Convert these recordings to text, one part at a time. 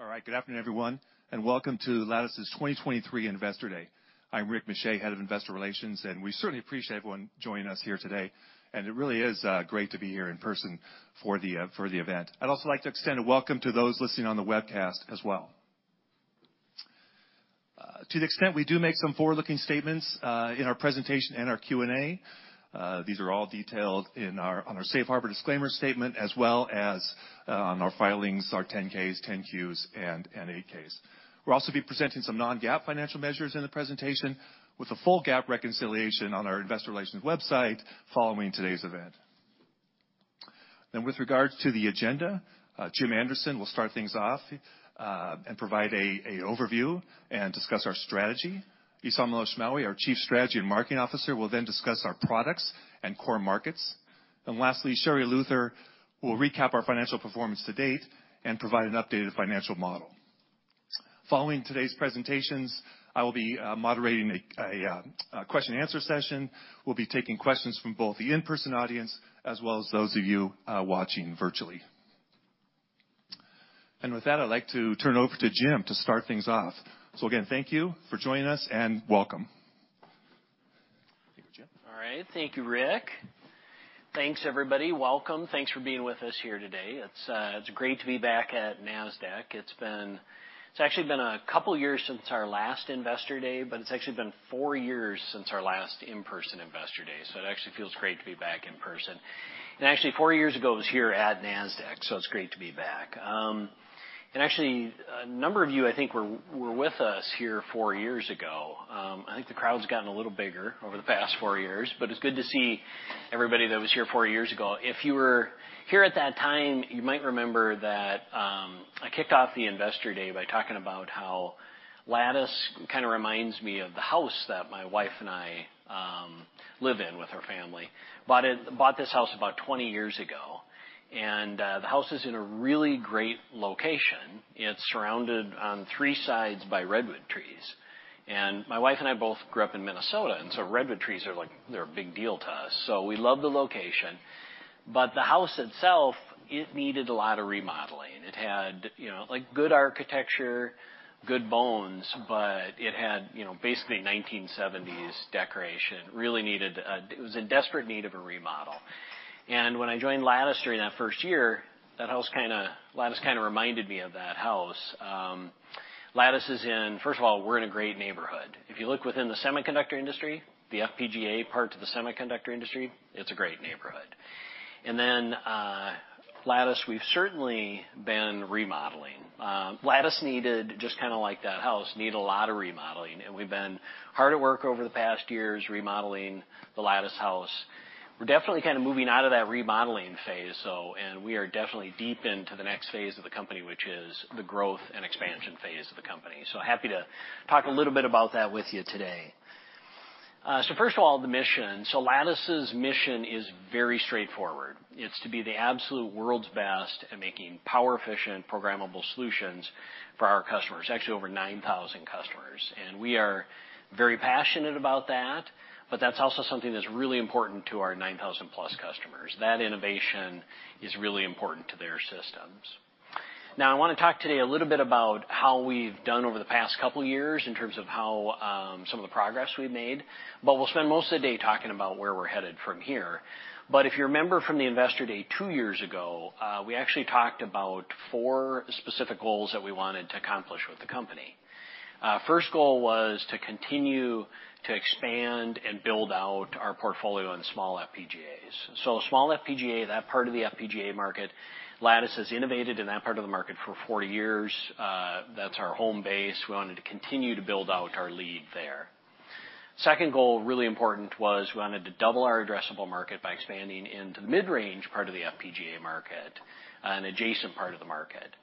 All right. Good afternoon, everyone, welcome to Lattice's 2023 Investor Day. I'm Rick Muscha, Head of Investor Relations, we certainly appreciate everyone joining us here today. It really is great to be here in person for the event. I'd also like to extend a welcome to those listening on the webcast as well. To the extent we do make some forward-looking statements in our presentation and our Q&A, these are all detailed on our safe harbor disclaimer statement as well as on our filings, our 10-Ks, 10-Qs, and 8-Ks. We'll also be presenting some non-GAAP financial measures in the presentation with a full GAAP reconciliation on our investor relations website following today's event. With regards to the agenda, Jim Anderson will start things off and provide a overview and discuss our strategy. Esam Elashmawi, our Chief Strategy and Marketing Officer, will then discuss our products and core markets. Lastly, Sherri Luther will recap our financial performance to date and provide an updated financial model. Following today's presentations, I will be moderating a question answer session. We'll be taking questions from both the in-person audience as well as those of you watching virtually. With that, I'd like to turn it over to Jim to start things off. Again, thank you for joining us, and welcome. Jim. All right. Thank you, Rick. Thanks, everybody. Welcome. Thanks for being with us here today. It's great to be back at Nasdaq. It's actually been a couple years since our last Investor Day, but it's actually been four years since our last in-person Investor Day, it actually feels great to be back in person. Actually, four years ago, it was here at Nasdaq, it's great to be back. Actually, a number of you, I think, were with us here four years ago. I think the crowd's gotten a little bigger over the past 4 years, but it's good to see everybody that was here four years ago. If you were here at that time, you might remember that I kicked off the Investor Day by talking about how Lattice kind of reminds me of the house that my wife and I live in with our family. Bought this house about 20 years ago, the house is in a really great location. It's surrounded on three sides by redwood trees. My wife and I both grew up in Minnesota, so redwood trees are like, they're a big deal to us, so we love the location. The house itself, it needed a lot of remodeling. It had, you know, like, good architecture, good bones, but it had, you know, basically 1970s decoration. Really needed. It was in desperate need of a remodel. When I joined Lattice during that first year, that house kinda. Lattice kinda reminded me of that house. Lattice is in First of all, we're in a great neighborhood. If you look within the semiconductor industry, the FPGA part of the semiconductor industry, it's a great neighborhood. Then Lattice, we've certainly been remodeling. Lattice needed, just kinda like that house, needed a lot of remodeling, and we've been hard at work over the past years remodeling the Lattice house. We're definitely kinda moving out of that remodeling phase, and we are definitely deep into the next phase of the company, which is the growth and expansion phase of the company. Happy to talk a little bit about that with you today. First of all, the mission. Lattice's mission is very straightforward. It's to be the absolute world's best at making power-efficient, programmable solutions for our customers, actually over 9,000 customers. We are very passionate about that, but that's also something that's really important to our 9,000+ customers. That innovation is really important to their systems. Now, I wanna talk today a little bit about how we've done over the past couple years in terms of how some of the progress we've made, but we'll spend most of the day talking about where we're headed from here. If you remember from the Investor Day two years ago, we actually talked about four specific goals that we wanted to accomplish with the company. First goal was to continue to expand and build out our portfolio in small FPGAs. Small FPGA, that part of the FPGA market, Lattice has innovated in that part of the market for 40 years. That's our home base. We wanted to continue to build out our lead there. Second goal, really important, was we wanted to double our addressable market by expanding into mid-range part of the FPGA market, an adjacent part of the market.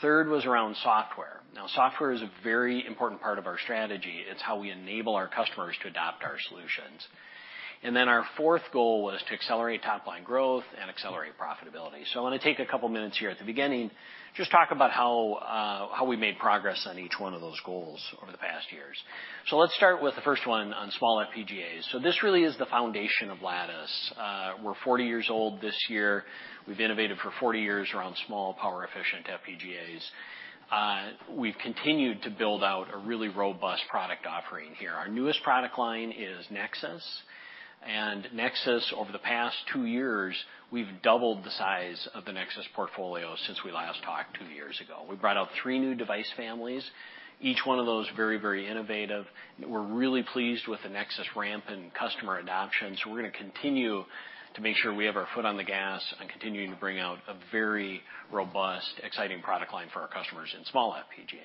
Third was around software. Software is a very important part of our strategy. It's how we enable our customers to adopt our solutions. Our fourth goal was to accelerate top-line growth and accelerate profitability. I wanna take a couple minutes here at the beginning, just talk about how we made progress on each one of those goals over the past years. Let's start with the first one on small FPGAs. This really is the foundation of Lattice. We're 40 years old this year. We've innovated for 40 years around small power efficient FPGAs. We've continued to build out a really robust product offering here. Our newest product line is Nexus. Nexus, over the past two years, we've doubled the size of the Nexus portfolio since we last talked two years ago. We brought out three new device families, each one of those very innovative. We're really pleased with the Nexus ramp and customer adoption, so we're gonna continue to make sure we have our foot on the gas and continuing to bring out a very robust, exciting product line for our customers in small FPGA.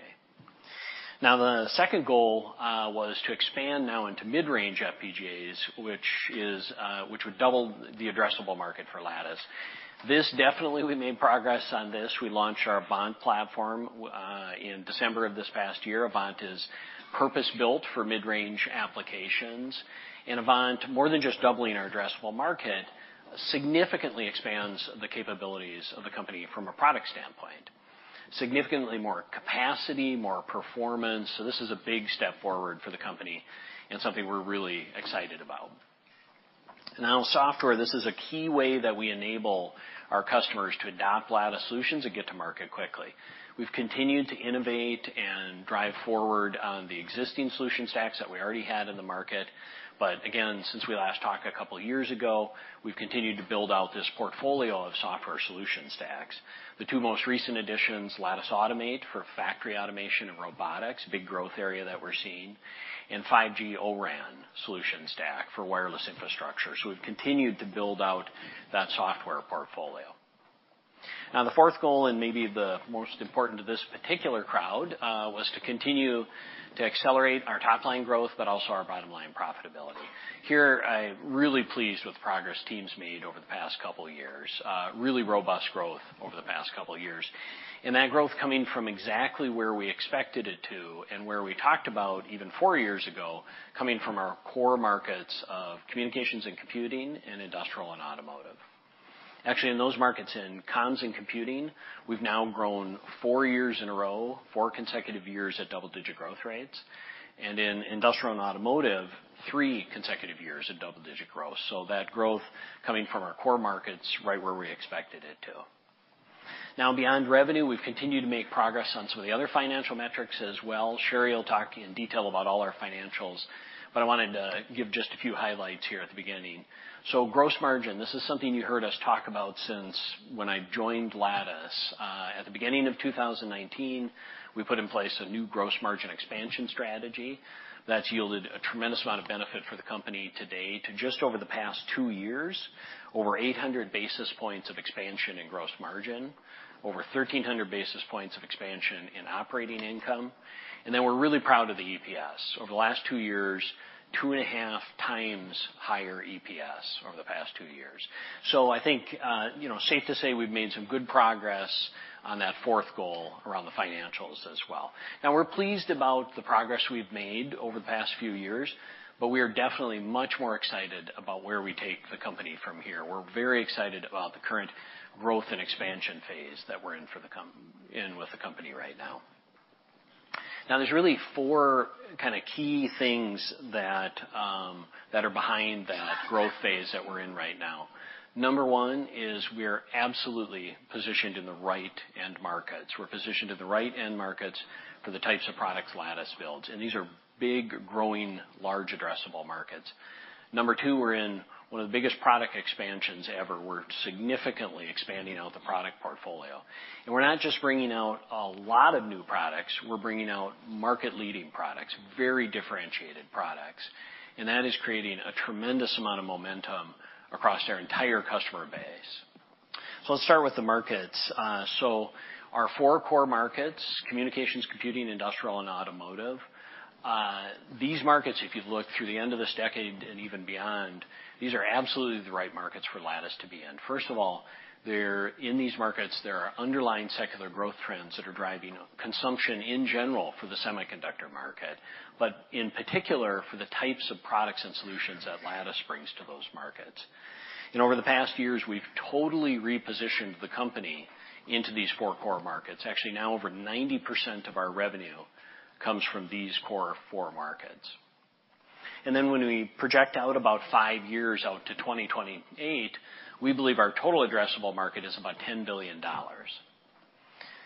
The second goal was to expand now into mid-range FPGAs, which is, which would double the addressable market for Lattice. This definitely, we made progress on this. We launched our Avant platform in December of this past year. Avant is purpose-built for mid-range applications. Avant, more than just doubling our addressable market, significantly expands the capabilities of the company from a product standpoint. Significantly more capacity, more performance. This is a big step forward for the company and something we're really excited about. Software, this is a key way that we enable our customers to adopt Lattice solutions and get to market quickly. We've continued to innovate and drive forward on the existing solution stacks that we already had in the market. Again, since we last talked a couple of years ago, we've continued to build out this portfolio of software solution stacks. The two most recent additions, Lattice Automate for factory automation and robotics, big growth area that we're seeing, and 5G O-RAN solution stack for wireless infrastructure. We've continued to build out that software portfolio. The fourth goal, and maybe the most important to this particular crowd, was to continue to accelerate our top line growth, but also our bottom line profitability. Here, I'm really pleased with the progress teams made over the past couple of years, really robust growth over the past couple of years. That growth coming from exactly where we expected it to and where we talked about even four years ago, coming from our core markets of communications and computing, and industrial and automotive. Actually, in those markets, in comms and computing, we've now grown four years in a row, four consecutive years at double-digit growth rates. In industrial and automotive, three consecutive years of double-digit growth. That growth coming from our core markets right where we expected it to. Beyond revenue, we've continued to make progress on some of the other financial metrics as well. Sherry will talk to you in detail about all our financials, but I wanted to give just a few highlights here at the beginning. Gross margin, this is something you heard us talk about since when I joined Lattice. At the beginning of 2019, we put in place a new gross margin expansion strategy that's yielded a tremendous amount of benefit for the company to date to just over the past two years, over 800 basis points of expansion in gross margin, over 1,300 basis points of expansion in operating income. We're really proud of the EPS. Over the last two years, 2.5x higher EPS over the past two years. I think, you know, safe to say we've made some good progress on that fourth goal around the financials as well. We're pleased about the progress we've made over the past few years, but we are definitely much more excited about where we take the company from here. We're very excited about the current growth and expansion phase that we're in with the company right now. There's really four kind of key things that are behind that growth phase that we're in right now. 1 is we're absolutely positioned in the right end markets. We're positioned in the right end markets for the types of products Lattice builds, and these are big, growing, large addressable markets. two, we're in one of the biggest product expansions ever. We're significantly expanding out the product portfolio. We're not just bringing out a lot of new products, we're bringing out market-leading products, very differentiated products, and that is creating a tremendous amount of momentum across our entire customer base. Let's start with the markets. So our four core markets, communications, computing, industrial, and automotive, these markets, if you look through the end of this decade and even beyond, these are absolutely the right markets for Lattice to be in. First of all, in these markets, there are underlying secular growth trends that are driving consumption in general for the semiconductor market, but in particular for the types of products and solutions that Lattice brings to those markets. Over the past years, we've totally repositioned the company into these four core markets. Actually, now over 90% of our revenue comes from these core four markets. When we project out about five years out to 2028, we believe our total addressable market is about $10 billion,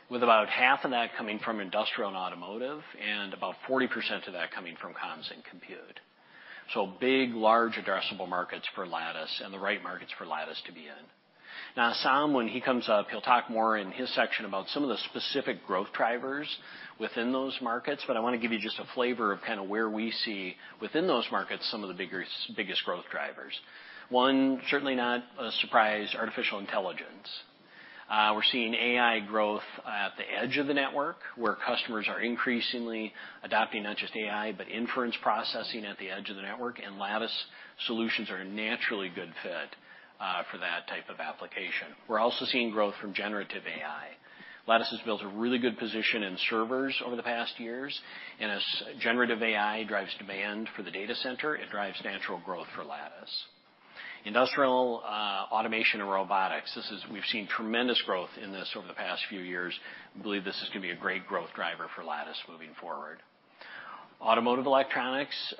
with about 1/2 of that coming from industrial and automotive, and about 40% of that coming from comms and compute. Big, large addressable markets for Lattice and the right markets for Lattice to be in. Now Sam, when he comes up, he'll talk more in his section about some of the specific growth drivers within those markets, but I want to give you just a flavor of kind of where we see within those markets, some of the biggest growth drivers. One, certainly not a surprise, artificial intelligence. We're seeing AI growth at the edge of the network, where customers are increasingly adopting not just AI, but inference processing at the edge of the network. Lattice solutions are a naturally good fit for that type of application. We're also seeing growth from generative AI. Lattice has built a really good position in servers over the past years, and as generative AI drives demand for the data center, it drives natural growth for Lattice. Industrial automation and robotics. We've seen tremendous growth in this over the past few years. We believe this is going to be a great growth driver for Lattice moving forward. Automotive electronics,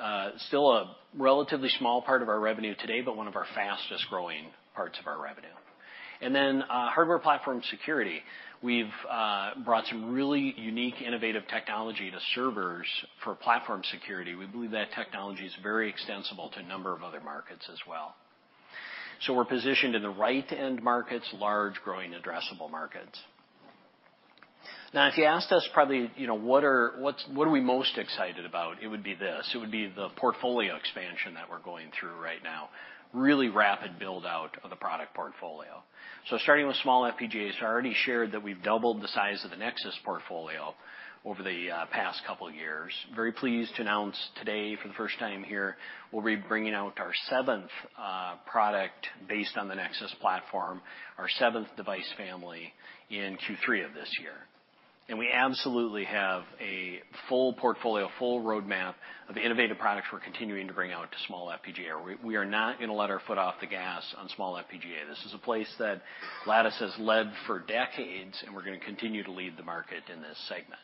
still a relatively small part of our revenue today, but one of our fastest growing parts of our revenue. Then, hardware platform security. We've brought some really unique, innovative technology to servers for platform security. We believe that technology is very extensible to a number of other markets as well. We're positioned in the right end markets, large growing addressable markets. If you asked us probably, you know, what are we most excited about, it would be this. It would be the portfolio expansion that we're going through right now. Really rapid build-out of the product portfolio. Starting with small FPGAs, I already shared that we've doubled the size of the Nexus portfolio over the past couple of years. Very pleased to announce today for the first time here, we'll be bringing out our seventh product based on the Nexus platform, our seventh device family in Q3 of this year. We absolutely have a full portfolio, full roadmap of the innovative products we're continuing to bring out to small FPGA. We are not going to let our foot off the gas on small FPGA. This is a place that Lattice has led for decades, and we're going to continue to lead the market in this segment.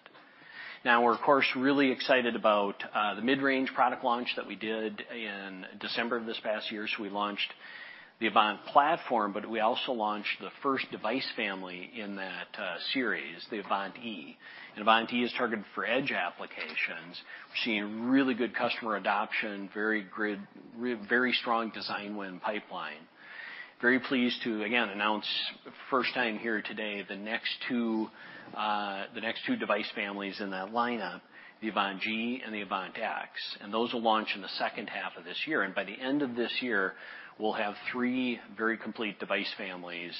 Now we're, of course, really excited about the mid-range product launch that we did in December of this past year. We launched the Avant platform, but we also launched the first device family in that series, the Avant-E. Avant-E is targeted for edge applications. We're seeing really good customer adoption, very strong design win pipeline. Very pleased to, again, announce first time here today, the next two device families in that lineup, the Avant-G and the Avant-X, and those will launch in theH2 of this year. By the end of this year, we'll have three very complete device families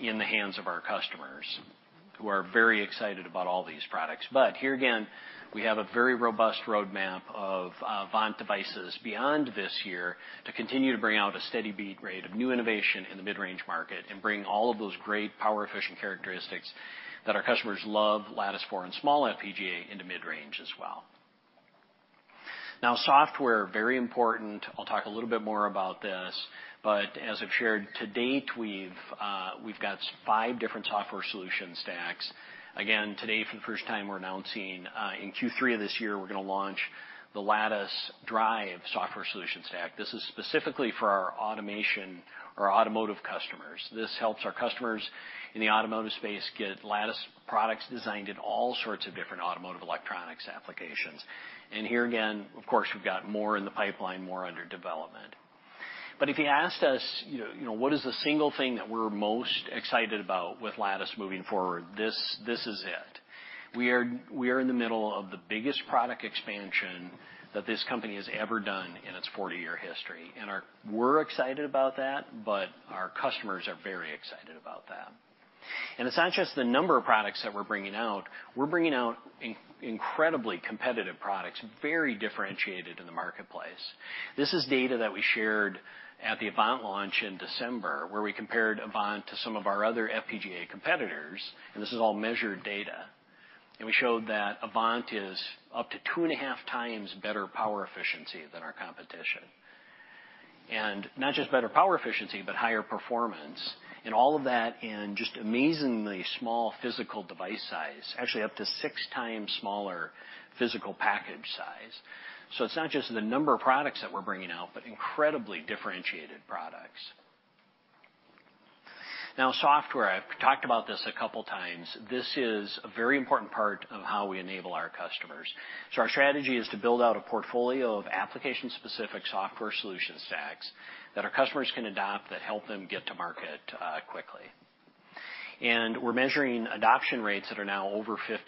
in the hands of our customers who are very excited about all these products. Here again, we have a very robust roadmap of Avant devices beyond this year to continue to bring out a steady beat rate of new innovation in the mid-range market and bring all of those great power efficient characteristics that our customers love Lattice foreign small FPGA into mid-range as well. Software, very important. I'll talk a little bit more about this, but as I've shared, to date, we've got five different software solution stacks. Again, today for the first time, we're announcing in Q3 of this year, we're gonna launch the Lattice Drive software solution stack. This is specifically for our automation or automotive customers. This helps our customers in the automotive space get Lattice products designed in all sorts of different automotive electronics applications. Here again, of course, we've got more in the pipeline, more under development. If you asked us, you know, what is the single thing that we're most excited about with Lattice moving forward, this is it. We are in the middle of the biggest product expansion that this company has ever done in its 40-year history. We're excited about that, but our customers are very excited about that. It's not just the number of products that we're bringing out. We're bringing out incredibly competitive products, very differentiated in the marketplace. This is data that we shared at the Avant launch in December, where we compared Avant to some of our other FPGA competitors, and this is all measured data. We showed that Avant is up to 2.5x better power efficiency than our competition. Not just better power efficiency, but higher performance. All of that in just amazingly small physical device size, actually up to 6x smaller physical package size. It's not just the number of products that we're bringing out, but incredibly differentiated products. Software, I've talked about this a couple times. This is a very important part of how we enable our customers. Our strategy is to build out a portfolio of application-specific software solution stacks that our customers can adopt that help them get to market quickly. We're measuring adoption rates that are now over 50%,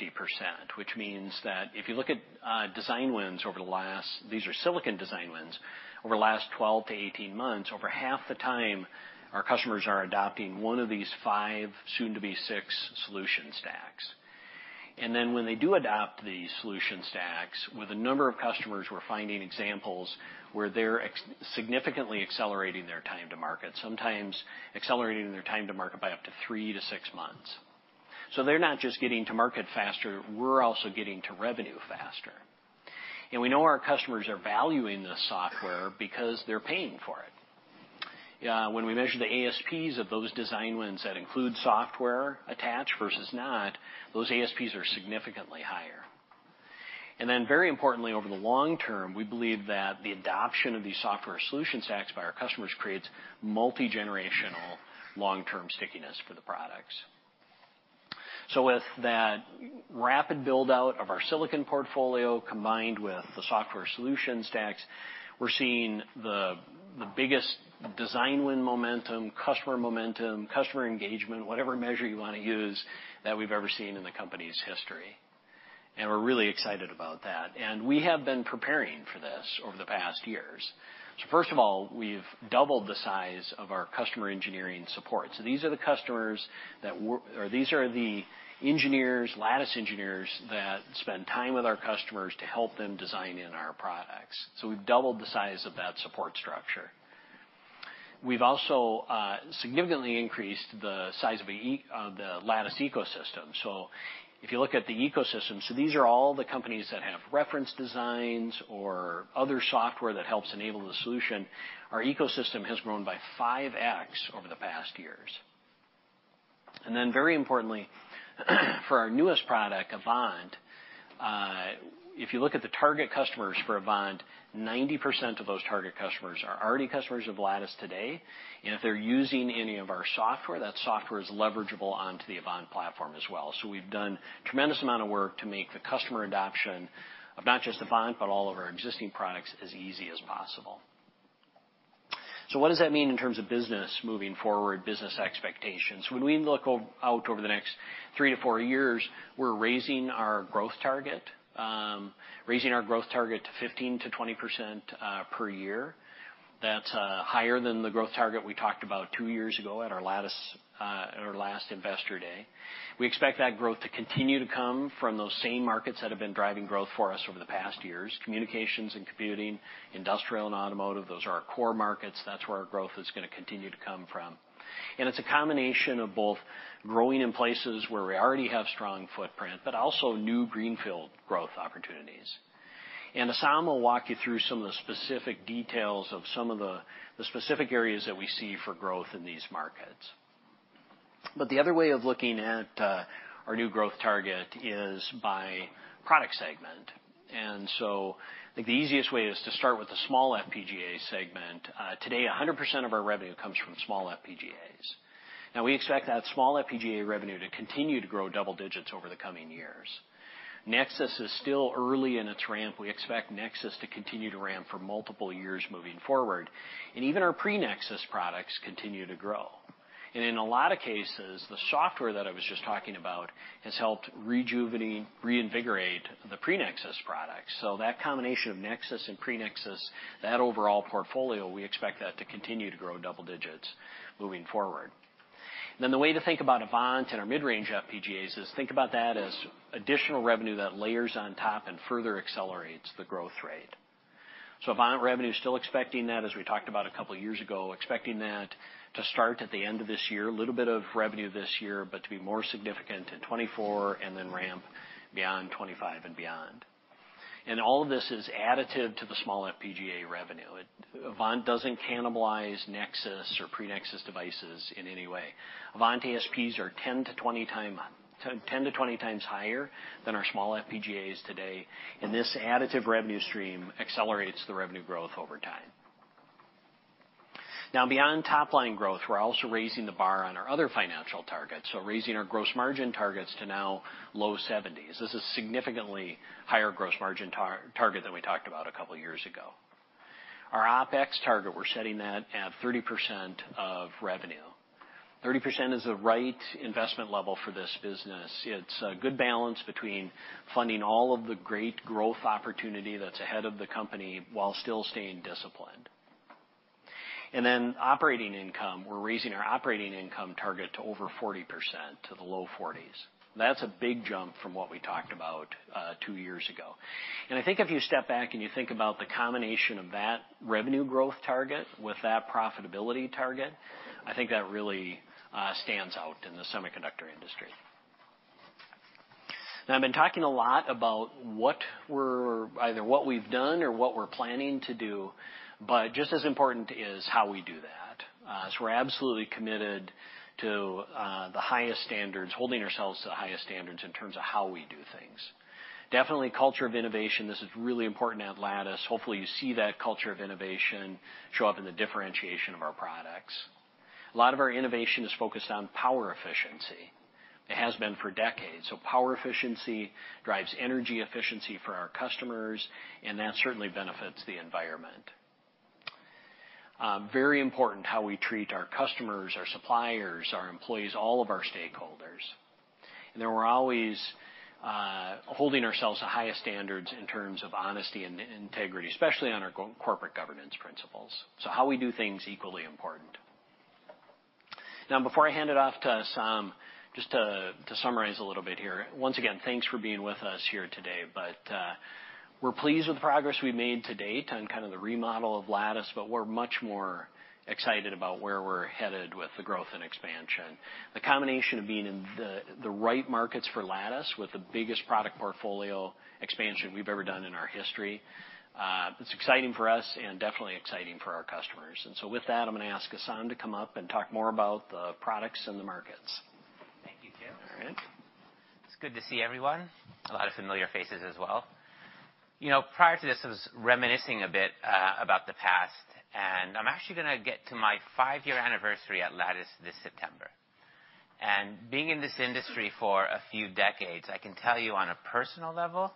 which means that if you look at design wins over the last. These are silicon design wins, over the last 12 months-18 months, over half the time, our customers are adopting one of these five, soon to be six, solution stacks. When they do adopt these solution stacks, with a number of customers, we're finding examples where they're significantly accelerating their time to market, sometimes accelerating their time to market by up to three months-six months. They're not just getting to market faster, we're also getting to revenue faster. We know our customers are valuing this software because they're paying for it. When we measure the ASPs of those design wins that include software attached versus not, those ASPs are significantly higher. Very importantly, over the long term, we believe that the adoption of these software solution stacks by our customers creates multi-generational long-term stickiness for the products. With that rapid build-out of our silicon portfolio combined with the software solution stacks, we're seeing the biggest design win momentum, customer momentum, customer engagement, whatever measure you wanna use, that we've ever seen in the company's history. We're really excited about that, and we have been preparing for this over the past years. First of all, we've doubled the size of our customer engineering support. These are the customers that or these are the engineers, Lattice engineers, that spend time with our customers to help them design in our products. We've doubled the size of that support structure. We've also significantly increased the size of the Lattice ecosystem. If you look at the ecosystem, these are all the companies that have reference designs or other software that helps enable the solution. Our ecosystem has grown by 5x over the past years. Very importantly, for our newest product, Avant, if you look at the target customers for Avant, 90% of those target customers are already customers of Lattice today. If they're using any of our software, that software is leverageable onto the Avant platform as well. We've done tremendous amount of work to make the customer adoption of not just Avant, but all of our existing products as easy as possible. What does that mean in terms of business moving forward, business expectations? When we look out over the next three years-four years, we're raising our growth target, raising our growth target to 15%-20% per year. That's higher than the growth target we talked about two years ago at our Lattice, at our last Investor Day. We expect that growth to continue to come from those same markets that have been driving growth for us over the past years, communications and computing, industrial and automotive. Those are our core markets. That's where our growth is gonna continue to come from. Esam will walk you through some of the specific details of some of the specific areas that we see for growth in these markets. The other way of looking at our new growth target is by product segment. I think the easiest way is to start with the small FPGA segment. Today, 100% of our revenue comes from small FPGAs. We expect that small FPGA revenue to continue to grow double digits over the coming years. Nexus is still early in its ramp. We expect Nexus to continue to ramp for multiple years moving forward, and even our pre-Nexus products continue to grow. In a lot of cases, the software that I was just talking about has helped reinvigorate the pre-Nexus products. That combination of Nexus and pre-Nexus, that overall portfolio, we expect that to continue to grow double digits moving forward. The way to think about Avant and our mid-range FPGAs is think about that as additional revenue that layers on top and further accelerates the growth rate. Avant revenue, still expecting that as we talked about a couple years ago, expecting that to start at the end of this year, a little bit of revenue this year, but to be more significant in 2024 and then ramp beyond 2025 and beyond. All of this is additive to the small FPGA revenue. Avant doesn't cannibalize Nexus or pre-Nexus devices in any way. Avant ASPs are 10x-20x higher than our small FPGAs today, and this additive revenue stream accelerates the revenue growth over time. Beyond top-line growth, we're also raising the bar on our other financial targets, so raising our gross margin targets to now low 70s. This is significantly higher gross margin target than we talked about a couple years ago. Our OpEx target, we're setting that at 30% of revenue. 30% is the right investment level for this business. It's a good balance between funding all of the great growth opportunity that's ahead of the company while still staying disciplined. Operating income, we're raising our operating income target to over 40%, to the low 40s. That's a big jump from what we talked about, two years ago. I think if you step back and you think about the combination of that revenue growth target with that profitability target, I think that really stands out in the semiconductor industry. I've been talking a lot about either what we've done or what we're planning to do, just as important is how we do that. We're absolutely committed to the highest standards, holding ourselves to the highest standards in terms of how we do things. Definitely culture of innovation, this is really important at Lattice. Hopefully, you see that culture of innovation show up in the differentiation of our products. A lot of our innovation is focused on power efficiency. It has been for decades. Power efficiency drives energy efficiency for our customers, and that certainly benefits the environment. Very important how we treat our customers, our suppliers, our employees, all of our stakeholders. We're always holding ourselves to highest standards in terms of honesty and integrity, especially on our corporate governance principles. How we do things, equally important. Now, before I hand it off to Esam, just to summarize a little bit here, once again, thanks for being with us here today, but we're pleased with the progress we've made to date on kind of the remodel of Lattice, but we're much more excited about where we're headed with the growth and expansion. The combination of being in the right markets for Lattice with the biggest product portfolio expansion we've ever done in our history, it's exciting for us and definitely exciting for our customers. With that, I'm gonna ask Assam to come up and talk more about the products and the markets. Thank you, Jim. All right. It's good to see everyone, a lot of familiar faces as well. You know, prior to this, I was reminiscing a bit about the past, and I'm actually gonna get to my five-year anniversary at Lattice this September. Being in this industry for a few decades, I can tell you on a personal level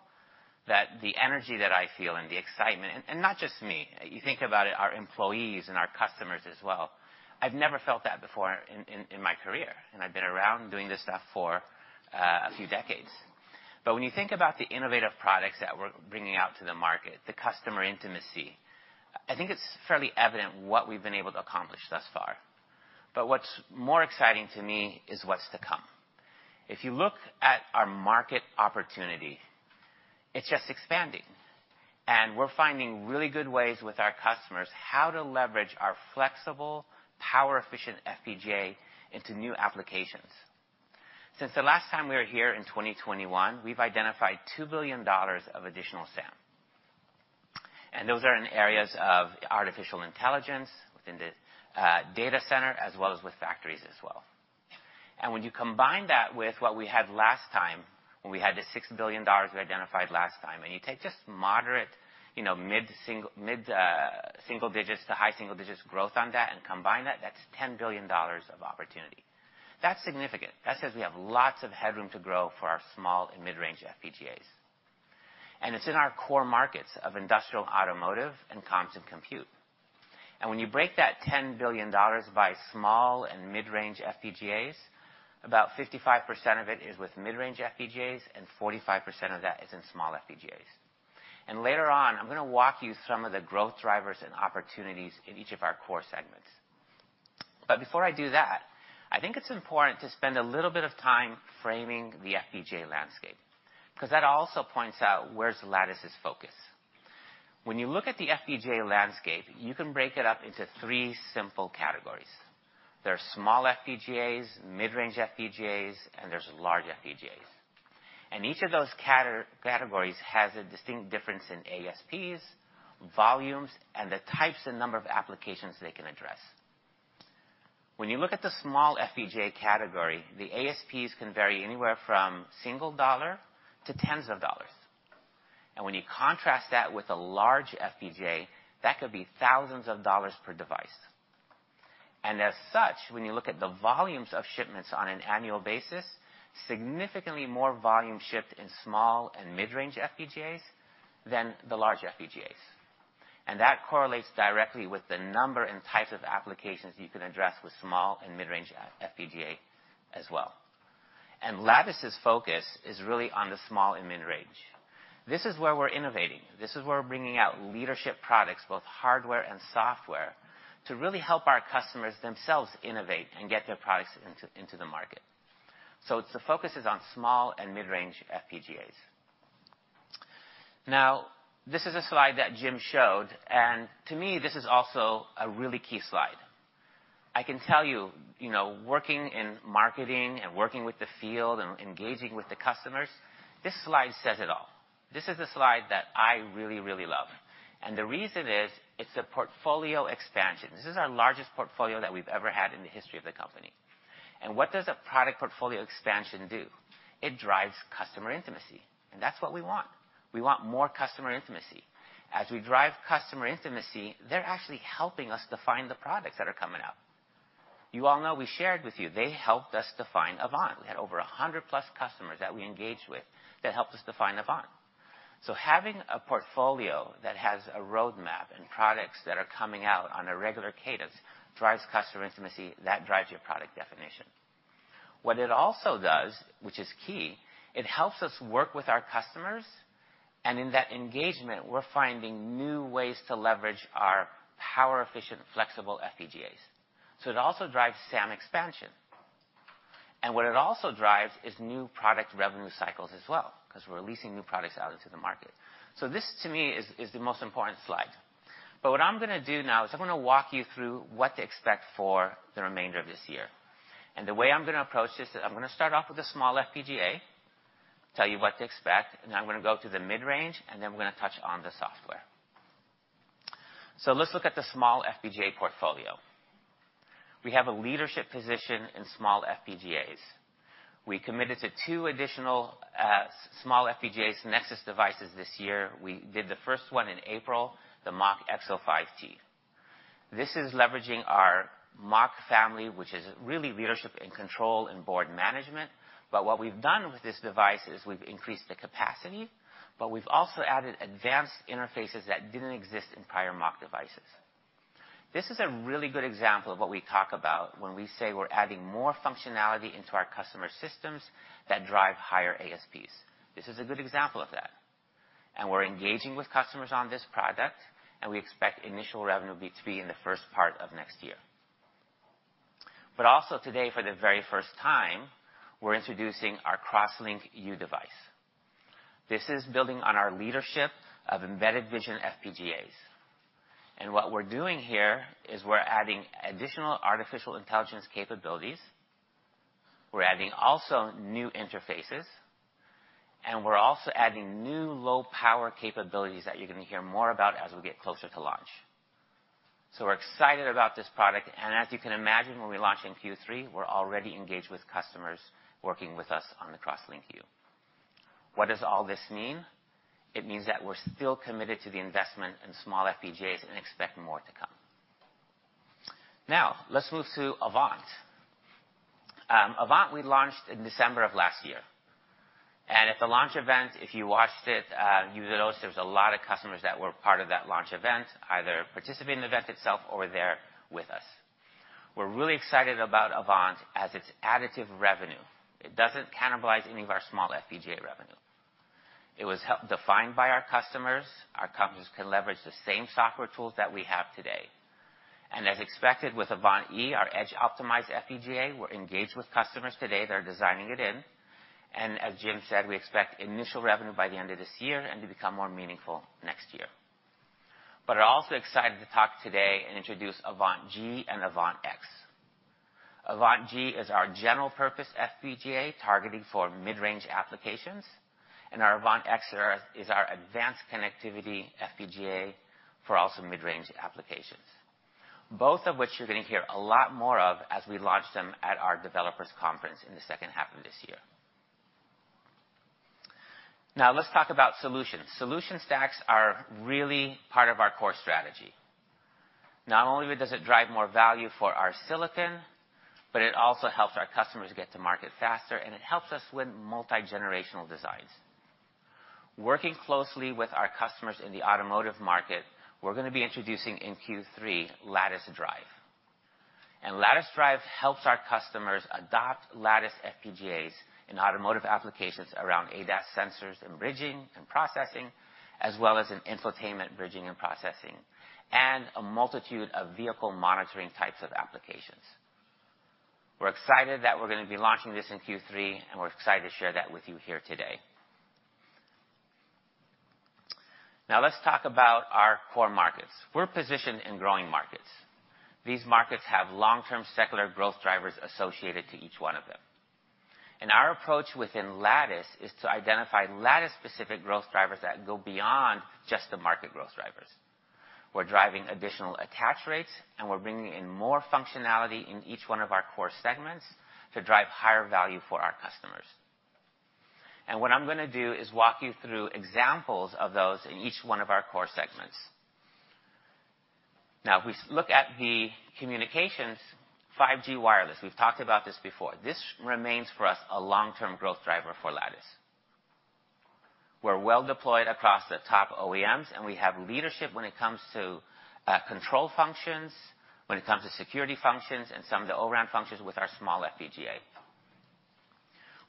that the energy that I feel and the excitement, and not just me, you think about it, our employees and our customers as well, I've never felt that before in my career, and I've been around doing this stuff for a few decades. When you think about the innovative products that we're bringing out to the market, the customer intimacy, I think it's fairly evident what we've been able to accomplish thus far. What's more exciting to me is what's to come. If you look at our market opportunity, it's just expanding, and we're finding really good ways with our customers how to leverage our flexible power-efficient FPGA into new applications. Since the last time we were here in 2021, we've identified $2 billion of additional SAM. Those are in areas of artificial intelligence, within the data center, as well as with factories as well. When you combine that with what we had last time, when we had the $6 billion we identified last time, and you take just moderate, you know, mid-single digits to high single digits growth on that and combine that's $10 billion of opportunity. That's significant. That says we have lots of headroom to grow for our small and mid-range FPGAs. It's in our core markets of industrial, automotive, and comms and compute. When you break that $10 billion by small and mid-range FPGAs, about 55% of it is with mid-range FPGAs, and 45% of that is in small FPGAs. Later on, I'm gonna walk you some of the growth drivers and opportunities in each of our core segments. Before I do that, I think it's important to spend a little bit of time framing the FPGA landscape because that also points out where's Lattice's focus. When you look at the FPGA landscape, you can break it up into three simple categories. There are small FPGAs, mid-range FPGAs, and there's large FPGAs. Each of those categories has a distinct difference in ASPs, volumes, and the types and number of applications they can address. When you look at the small FPGA category, the ASPs can vary anywhere from $1 to tens of dollars. When you contrast that with a large FPGA, that could be thousands of dollars per device. As such, when you look at the volumes of shipments on an annual basis, significantly more volume shipped in small and mid-range FPGAs than the large FPGAs. That correlates directly with the number and types of applications you can address with small and mid-range FPGA as well. Lattice's focus is really on the small and mid-range. This is where we're innovating. This is where we're bringing out leadership products, both hardware and software, to really help our customers themselves innovate and get their products into the market. The focus is on small and mid-range FPGAs. This is a slide that Jim showed, and to me, this is also a really key slide. I can tell you know, working in marketing and working with the field and engaging with the customers, this slide says it all. This is a slide that I really, really love. The reason is, it's a portfolio expansion. This is our largest portfolio that we've ever had in the history of the company. What does a product portfolio expansion do? It drives customer intimacy, and that's what we want. We want more customer intimacy. As we drive customer intimacy, they're actually helping us define the products that are coming out. You all know we shared with you, they helped us define Avant. We had over 100+ customers that we engaged with that helped us define Avant. Having a portfolio that has a roadmap and products that are coming out on a regular cadence drives customer intimacy. That drives your product definition. What it also does, which is key, it helps us work with our customers, and in that engagement, we're finding new ways to leverage our power-efficient, flexible FPGAs. It also drives SAM expansion. What it also drives is new product revenue cycles as well, because we're releasing new products out into the market. This, to me, is the most important slide. What I'm going to do now is I'm going to walk you through what to expect for the remainder of this year. The way I'm going to approach this, I'm going to start off with a small FPGA, tell you what to expect, and then I'm going to go through the mid-range, and then we're going to touch on the software. Let's look at the small FPGA portfolio. We have a leadership position in small FPGAs. We committed to two additional small FPGAs Nexus devices this year. We did the first one in April, the MachXO5T. This is leveraging our Mach family, which is really leadership and control and board management. What we've done with this device is we've increased the capacity, but we've also added advanced interfaces that didn't exist in prior Mach devices. This is a really good example of what we talk about when we say we're adding more functionality into our customer systems that drive higher ASPs. This is a good example of that. We're engaging with customers on this product, and we expect initial revenue to be in the first part of next year. Also today, for the very first time, we're introducing our CrossLink-U device. This is building on our leadership of embedded vision FPGAs. What we're doing here is we're adding additional artificial intelligence capabilities, we're adding also new interfaces, and we're also adding new low power capabilities that you're gonna hear more about as we get closer to launch. We're excited about this product, and as you can imagine, when we launch in Q3, we're already engaged with customers working with us on the CrossLink-U. What does all this mean? It means that we're still committed to the investment in small FPGAs and expect more to come. Now, let's move to Avant. Avant we launched in December of last year. At the launch event, if you watched it, you would notice there was a lot of customers that were part of that launch event, either participate in the event itself or were there with us. We're really excited about Avant as its additive revenue. It doesn't cannibalize any of our small FPGA revenue. It was defined by our customers. Our customers can leverage the same software tools that we have today. As expected with Avant-E, our edge-optimized FPGA, we're engaged with customers today, they're designing it in. As Jim said, we expect initial revenue by the end of this year and to become more meaningful next year. I'm also excited to talk today and introduce Avant-G and Avant-X. Avant-G is our general purpose FPGA targeting for mid-range applications, and our Avant-X is our advanced connectivity FPGA for also mid-range applications. Both of which you're gonna hear a lot more of as we launch them at our developers conference in the H2 of this year. Let's talk about solutions. Solution stacks are really part of our core strategy. Not only does it drive more value for our silicon, but it also helps our customers get to market faster, and it helps us win multi-generational designs. Working closely with our customers in the automotive market, we're gonna be introducing in Q3 Lattice Drive. Lattice Drive helps our customers adopt Lattice FPGAs in automotive applications around ADAS sensors and bridging and processing, as well as in infotainment bridging and processing, and a multitude of vehicle monitoring types of applications. We're excited that we're gonna be launching this in Q3, and we're excited to share that with you here today. Now let's talk about our core markets. We're positioned in growing markets. These markets have long-term secular growth drivers associated to each one of them. Our approach within Lattice is to identify Lattice specific growth drivers that go beyond just the market growth drivers. We're driving additional attach rates. We're bringing in more functionality in each one of our core segments to drive higher value for our customers. What I'm gonna do is walk you through examples of those in each one of our core segments. Now, if we look at the communications, 5G wireless, we've talked about this before. This remains for us a long-term growth driver for Lattice. We're well deployed across the top OEMs, and we have leadership when it comes to control functions, when it comes to security functions, and some of the O-RAN functions with our small FPGA.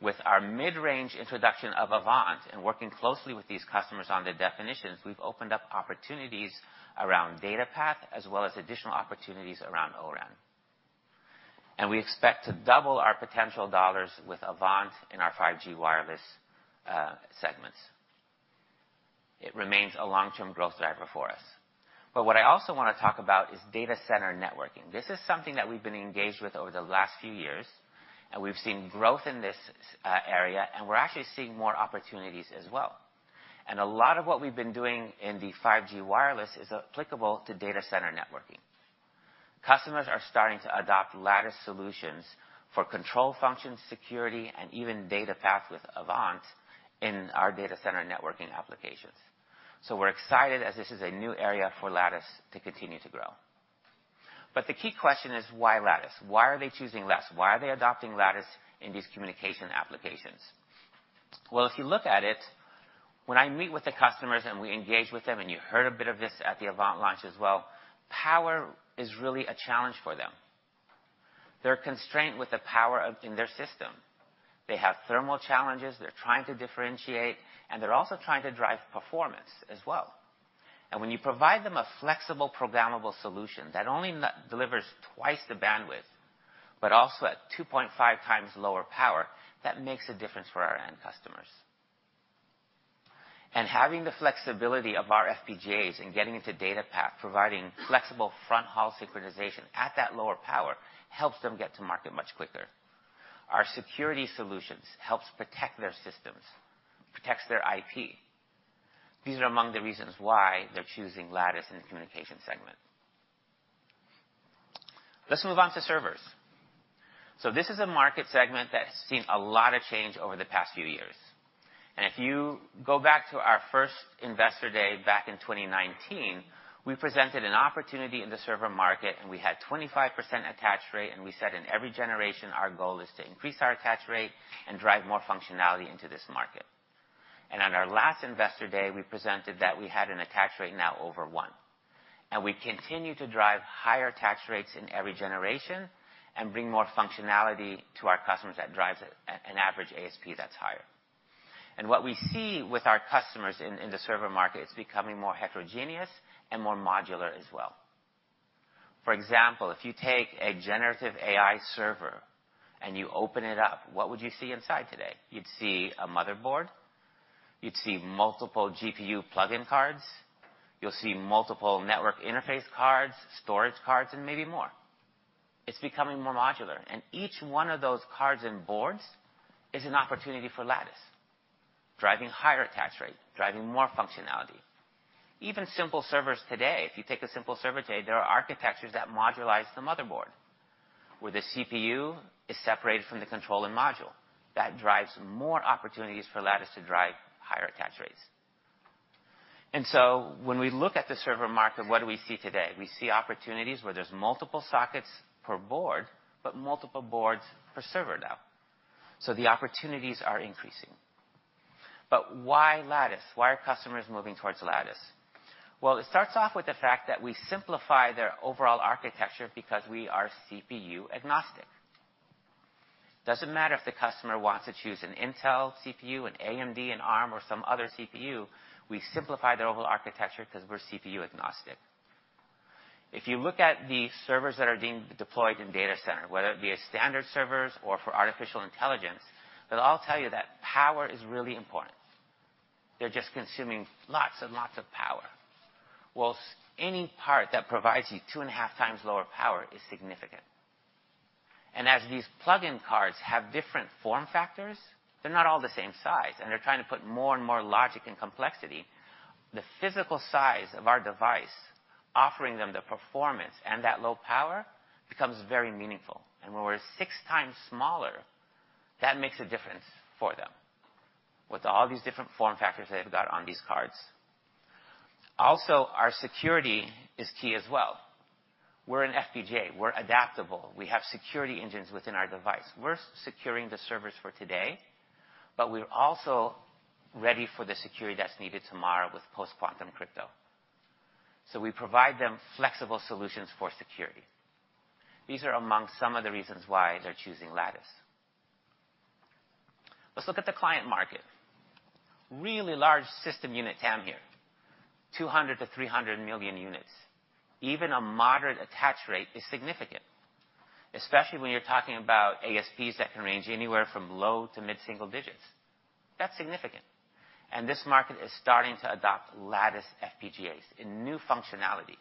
With our mid-range introduction of Avant and working closely with these customers on their definitions, we've opened up opportunities around data path as well as additional opportunities around O-RAN. We expect to double our potential dollars with Avant in our 5G wireless segments. It remains a long-term growth driver for us. What I also wanna talk about is data center networking. This is something that we've been engaged with over the last few years, and we've seen growth in this area, and we're actually seeing more opportunities as well. A lot of what we've been doing in the 5G wireless is applicable to data center networking. Customers are starting to adopt Lattice solutions for control function, security, and even data path with Avant in our data center networking applications. We're excited as this is a new area for Lattice to continue to grow. The key question is why Lattice? Why are they choosing Lattice? Why are they adopting Lattice in these communication applications? Well, if you look at it, when I meet with the customers and we engage with them, you heard a bit of this at the Avant launch as well, power is really a challenge for them. They're constrained with the power of in their system. They have thermal challenges, they're trying to differentiate. They're also trying to drive performance as well. When you provide them a flexible programmable solution that not only delivers twice the bandwidth, but also at 2.5x lower power, that makes a difference for our end customers. Having the flexibility of our FPGAs and getting into data path, providing flexible front hall synchronization at that lower power helps them get to market much quicker. Our security solutions helps protect their systems, protects their IP. These are among the reasons why they're choosing Lattice in the communication segment. Let's move on to servers. This is a market segment that's seen a lot of change over the past few years. If you go back to our first Investor Day back in 2019, we presented an opportunity in the server market, and we had 25% attach rate, and we said in every generation, our goal is to increase our attach rate and drive more functionality into this market. On our last Investor Day, we presented that we had an attach rate now over one, and we continue to drive higher attach rates in every generation and bring more functionality to our customers that drives an average ASP that's higher. What we see with our customers in the server market is becoming more heterogeneous and more modular as well. For example, if you take a generative AI server and you open it up, what would you see inside today? You'd see a motherboard, you'd see multiple GPU plugin cards, you'll see multiple network interface cards, storage cards, and maybe more. It's becoming more modular. Each one of those cards and boards is an opportunity for Lattice, driving higher attach rate, driving more functionality. Even simple servers today, if you take a simple server today, there are architectures that modularize the motherboard, where the CPU is separated from the controller module. That drives more opportunities for Lattice to drive higher attach rates. When we look at the server market, what do we see today? We see opportunities where there's multiple sockets per board, but multiple boards per server now. The opportunities are increasing. Why Lattice? Why are customers moving towards Lattice? Well, it starts off with the fact that we simplify their overall architecture because we are CPU agnostic. Doesn't matter if the customer wants to choose an Intel CPU, an AMD, an Arm or some other CPU, we simplify their overall architecture 'cause we're CPU agnostic. If you look at the servers that are being deployed in data center, whether it be a standard servers or for artificial intelligence, they'll all tell you that power is really important. They're just consuming lots and lots of power. Well, any part that provides you 2.5x lower power is significant. As these plug-in cards have different form factors, they're not all the same size, and they're trying to put more and more logic and complexity. The physical size of our device offering them the performance and that low power becomes very meaningful. When we're 6x smaller, that makes a difference for them. With all these different form factors they've got on these cards. Also, our security is key as well. We're an FPGA, we're adaptable. We have security engines within our device. We're securing the servers for today, but we're also ready for the security that's needed tomorrow with post-quantum crypto. We provide them flexible solutions for security. These are among some of the reasons why they're choosing Lattice. Let's look at the client market. Really large system unit TAM here, 200 million-300 million units. Even a moderate attach rate is significant. Especially when you're talking about ASPs that can range anywhere from low to mid-single digits. That's significant. This market is starting to adopt Lattice FPGAs in new functionality,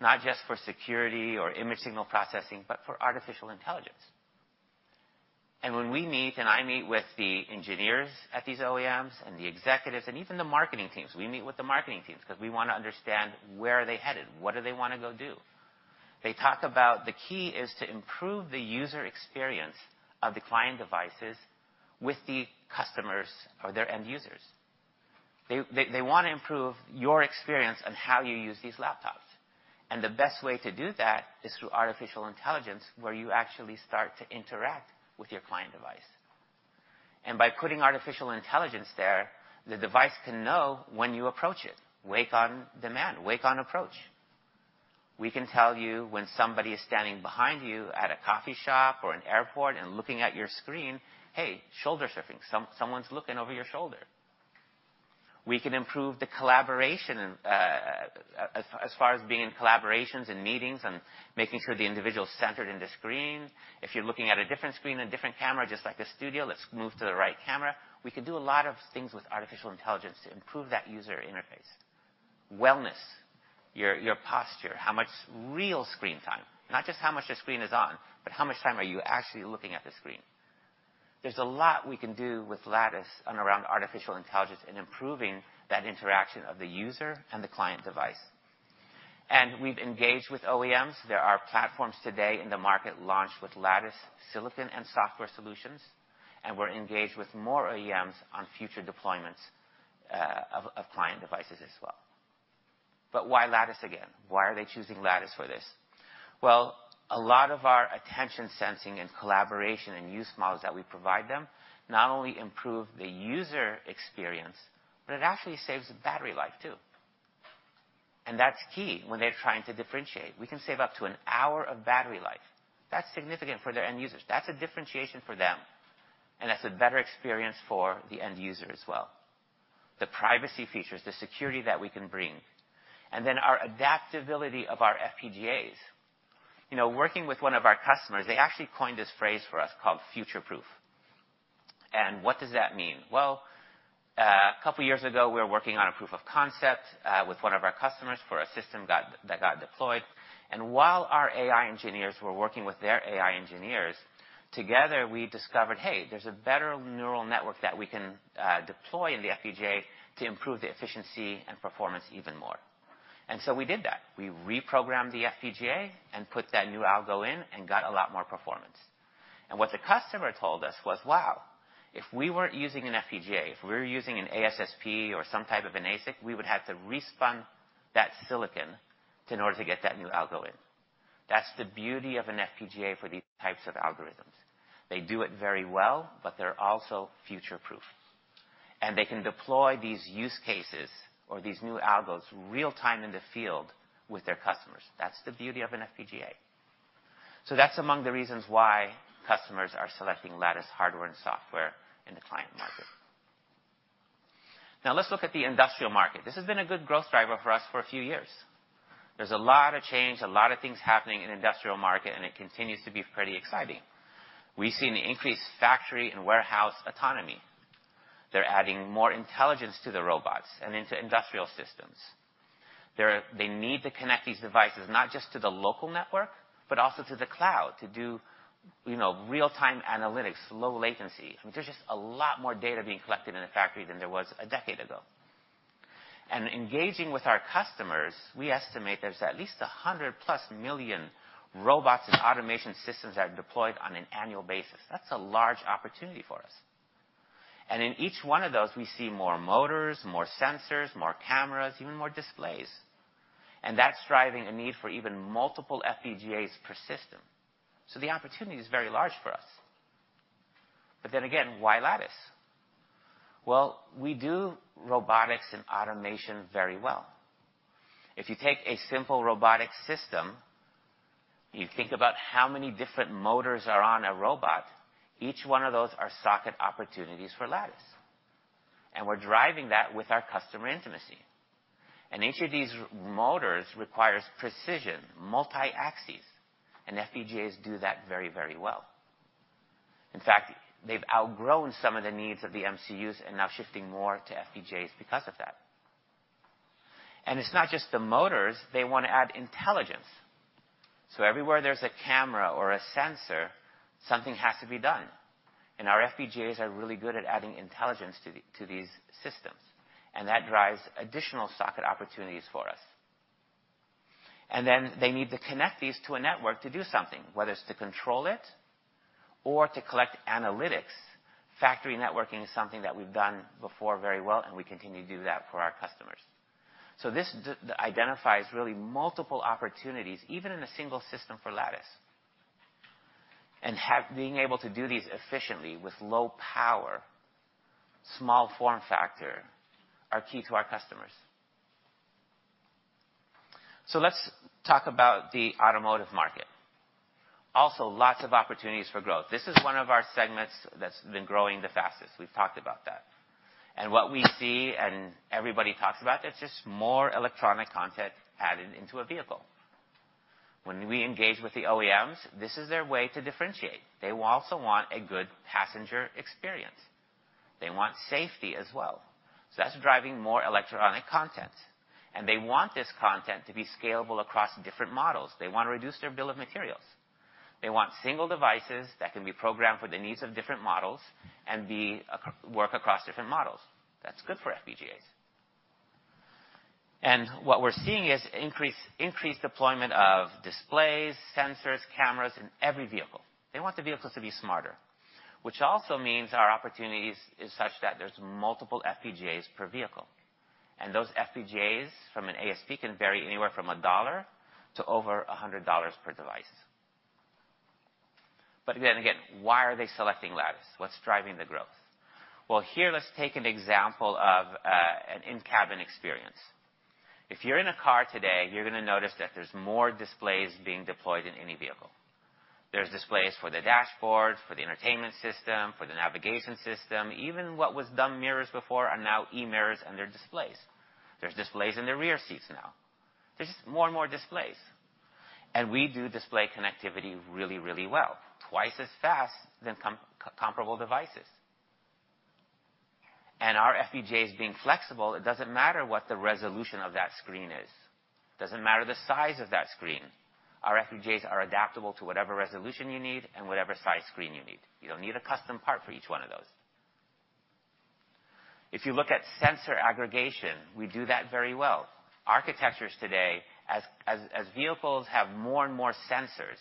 not just for security or image signal processing, but for artificial intelligence. When we meet, and I meet with the engineers at these OEMs and the executives and even the marketing teams, we meet with the marketing teams because we want to understand where are they headed, what do they want to go do. They talk about the key is to improve the user experience of the client devices with the customers or their end users. They want to improve your experience on how you use these laptops. The best way to do that is through artificial intelligence, where you actually start to interact with your client device. By putting artificial intelligence there, the device can know when you approach it, wake on demand, wake on approach. We can tell you when somebody is standing behind you at a coffee shop or an airport and looking at your screen, "Hey, shoulder surfing, someone's looking over your shoulder." We can improve the collaboration, as far as being in collaborations and meetings and making sure the individual is centered in the screen. If you're looking at a different screen, a different camera, just like a studio, let's move to the right camera. We can do a lot of things with artificial intelligence to improve that user interface. Wellness, your posture, how much real screen time, not just how much the screen is on, but how much time are you actually looking at the screen. There's a lot we can do with Lattice and around artificial intelligence in improving that interaction of the user and the client device. We've engaged with OEMs. There are platforms today in the market launched with Lattice silicon and software solutions. We're engaged with more OEMs on future deployments of client devices as well. Why Lattice again? Why are they choosing Lattice for this? Well, a lot of our attention sensing and collaboration and use models that we provide them not only improve the user experience, but it actually saves battery life too. That's key when they're trying to differentiate. We can save up to one hour of battery life. That's significant for their end users. That's a differentiation for them, and that's a better experience for the end user as well. The privacy features, the security that we can bring, and then our adaptability of our FPGAs. You know, working with one of our customers, they actually coined this phrase for us called future-proof. What does that mean? Well, a couple years ago, we were working on a proof of concept with one of our customers for a system that got deployed. While our AI engineers were working with their AI engineers, together, we discovered, hey, there's a better neural network that we can deploy in the FPGA to improve the efficiency and performance even more. We did that. We reprogrammed the FPGA and put that new algo in and got a lot more performance. What the customer told us was, "Wow, if we weren't using an FPGA, if we were using an ASSP or some type of an ASIC, we would have to respawn that silicon in order to get that new algo in." That's the beauty of an FPGA for these types of algorithms. They do it very well, but they're also future-proof. They can deploy these use cases or these new algos real-time in the field with their customers. That's the beauty of an FPGA. That's among the reasons why customers are selecting Lattice hardware and software in the client market. Let's look at the industrial market. This has been a good growth driver for us for a few years. There's a lot of change, a lot of things happening in industrial market, and it continues to be pretty exciting. We've seen increased factory and warehouse autonomy. They're adding more intelligence to the robots and into industrial systems. They need to connect these devices not just to the local network, but also to the cloud to do, you know, real-time analytics, low latency. I mean, there's just a lot more data being collected in a factory than there was a decade ago. Engaging with our customers, we estimate there's at least 100+ million robots and automation systems that are deployed on an annual basis. That's a large opportunity for us. In each one of those, we see more motors, more sensors, more cameras, even more displays. That's driving a need for even multiple FPGAs per system. The opportunity is very large for us. Again, why Lattice? Well, we do robotics and automation very well. If you take a simple robotic system, you think about how many different motors are on a robot, each one of those are socket opportunities for Lattice. We're driving that with our customer intimacy. Each of these motors requires precision, multi-axis, and FPGAs do that very, very well. In fact, they've outgrown some of the needs of the MCUs and now shifting more to FPGAs because of that. It's not just the motors, they want to add intelligence. Everywhere there's a camera or a sensor, something has to be done. Our FPGAs are really good at adding intelligence to these systems, and that drives additional socket opportunities for us. Then they need to connect these to a network to do something, whether it's to control it or to collect analytics. Factory networking is something that we've done before very well, and we continue to do that for our customers. This identifies really multiple opportunities, even in a single system for Lattice. Being able to do these efficiently with low power, small form factor, are key to our customers. Let's talk about the automotive market. Lots of opportunities for growth. This is one of our segments that's been growing the fastest. We've talked about that. What we see and everybody talks about, it's just more electronic content added into a vehicle. When we engage with the OEMs, this is their way to differentiate. They also want a good passenger experience. They want safety as well. That's driving more electronic content. They want this content to be scalable across different models. They want to reduce their bill of materials. They want single devices that can be programmed for the needs of different models and work across different models. That's good for FPGAs. What we're seeing is increase deployment of displays, sensors, cameras in every vehicle. They want the vehicles to be smarter, which also means our opportunities is such that there's multiple FPGAs per vehicle. Those FPGAs from an ASP can vary anywhere from $1 to over $100 per device. again, why are they selecting Lattice? What's driving the growth? Well, here, let's take an example of an in-cabin experience. If you're in a car today, you're gonna notice that there's more displays being deployed in any vehicle. There's displays for the dashboard, for the entertainment system, for the navigation system. Even what was done mirrors before are now e-mirrors, and they're displays. There's displays in the rear seats now. There's just more and more displays. we do display connectivity really, really well, twice as fast than comparable devices. our FPGAs being flexible, it doesn't matter what the resolution of that screen is, doesn't matter the size of that screen. Our FPGAs are adaptable to whatever resolution you need and whatever size screen you need. You don't need a custom part for each one of those. If you look at sensor aggregation, we do that very well. Architectures today, as vehicles have more and more sensors,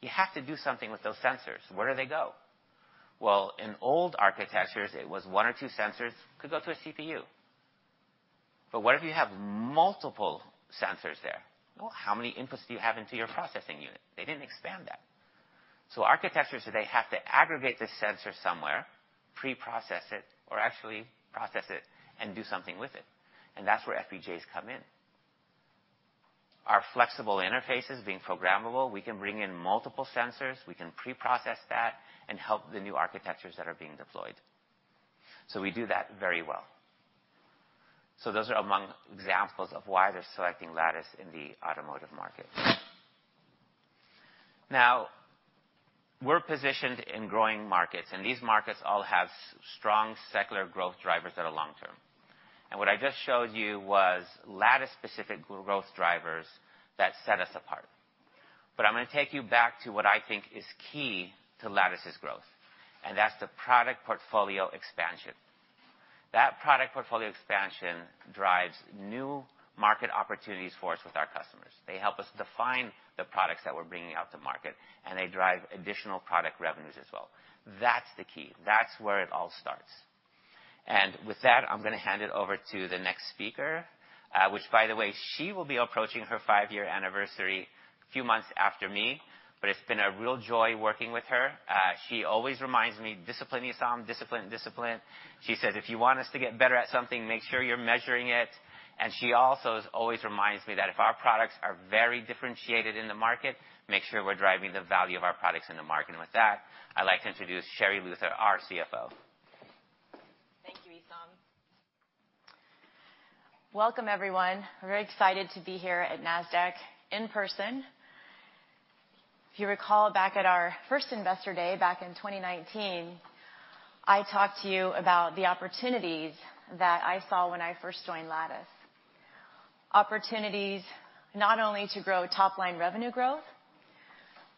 you have to do something with those sensors. Where do they go? In old architectures, it was one or two sensors could go to a CPU. What if you have multiple sensors there? How many inputs do you have into your processing unit? They didn't expand that. Architectures today have to aggregate the sensor somewhere, pre-process it, or actually process it and do something with it, that's where FPGAs come in. Our flexible interfaces being programmable, we can bring in multiple sensors, we can pre-process that and help the new architectures that are being deployed. We do that very well. Those are among examples of why they're selecting Lattice in the automotive market. We're positioned in growing markets, and these markets all have strong secular growth drivers that are long-term. What I just showed you was Lattice specific growth drivers that set us apart. I'm gonna take you back to what I think is key to Lattice's growth, and that's the product portfolio expansion. That product portfolio expansion drives new market opportunities for us with our customers. They help us define the products that we're bringing out to market, and they drive additional product revenues as well. That's the key. That's where it all starts. With that, I'm gonna hand it over to the next speaker, which by the way, she will be approaching her five-year anniversary a few months after me, but it's been a real joy working with her. She always reminds me, "Discipline, Essam, discipline." She says, "If you want us to get better at something, make sure you're measuring it." She also always reminds me that if our products are very differentiated in the market, make sure we're driving the value of our products in the market. With that, I'd like to introduce Sherri Luther, our CFO. Thank you, Essam. Welcome, everyone. We're very excited to be here at Nasdaq in person. If you recall back at our first Investor Day back in 2019, I talked to you about the opportunities that I saw when I first joined Lattice. Opportunities not only to grow top-line revenue growth,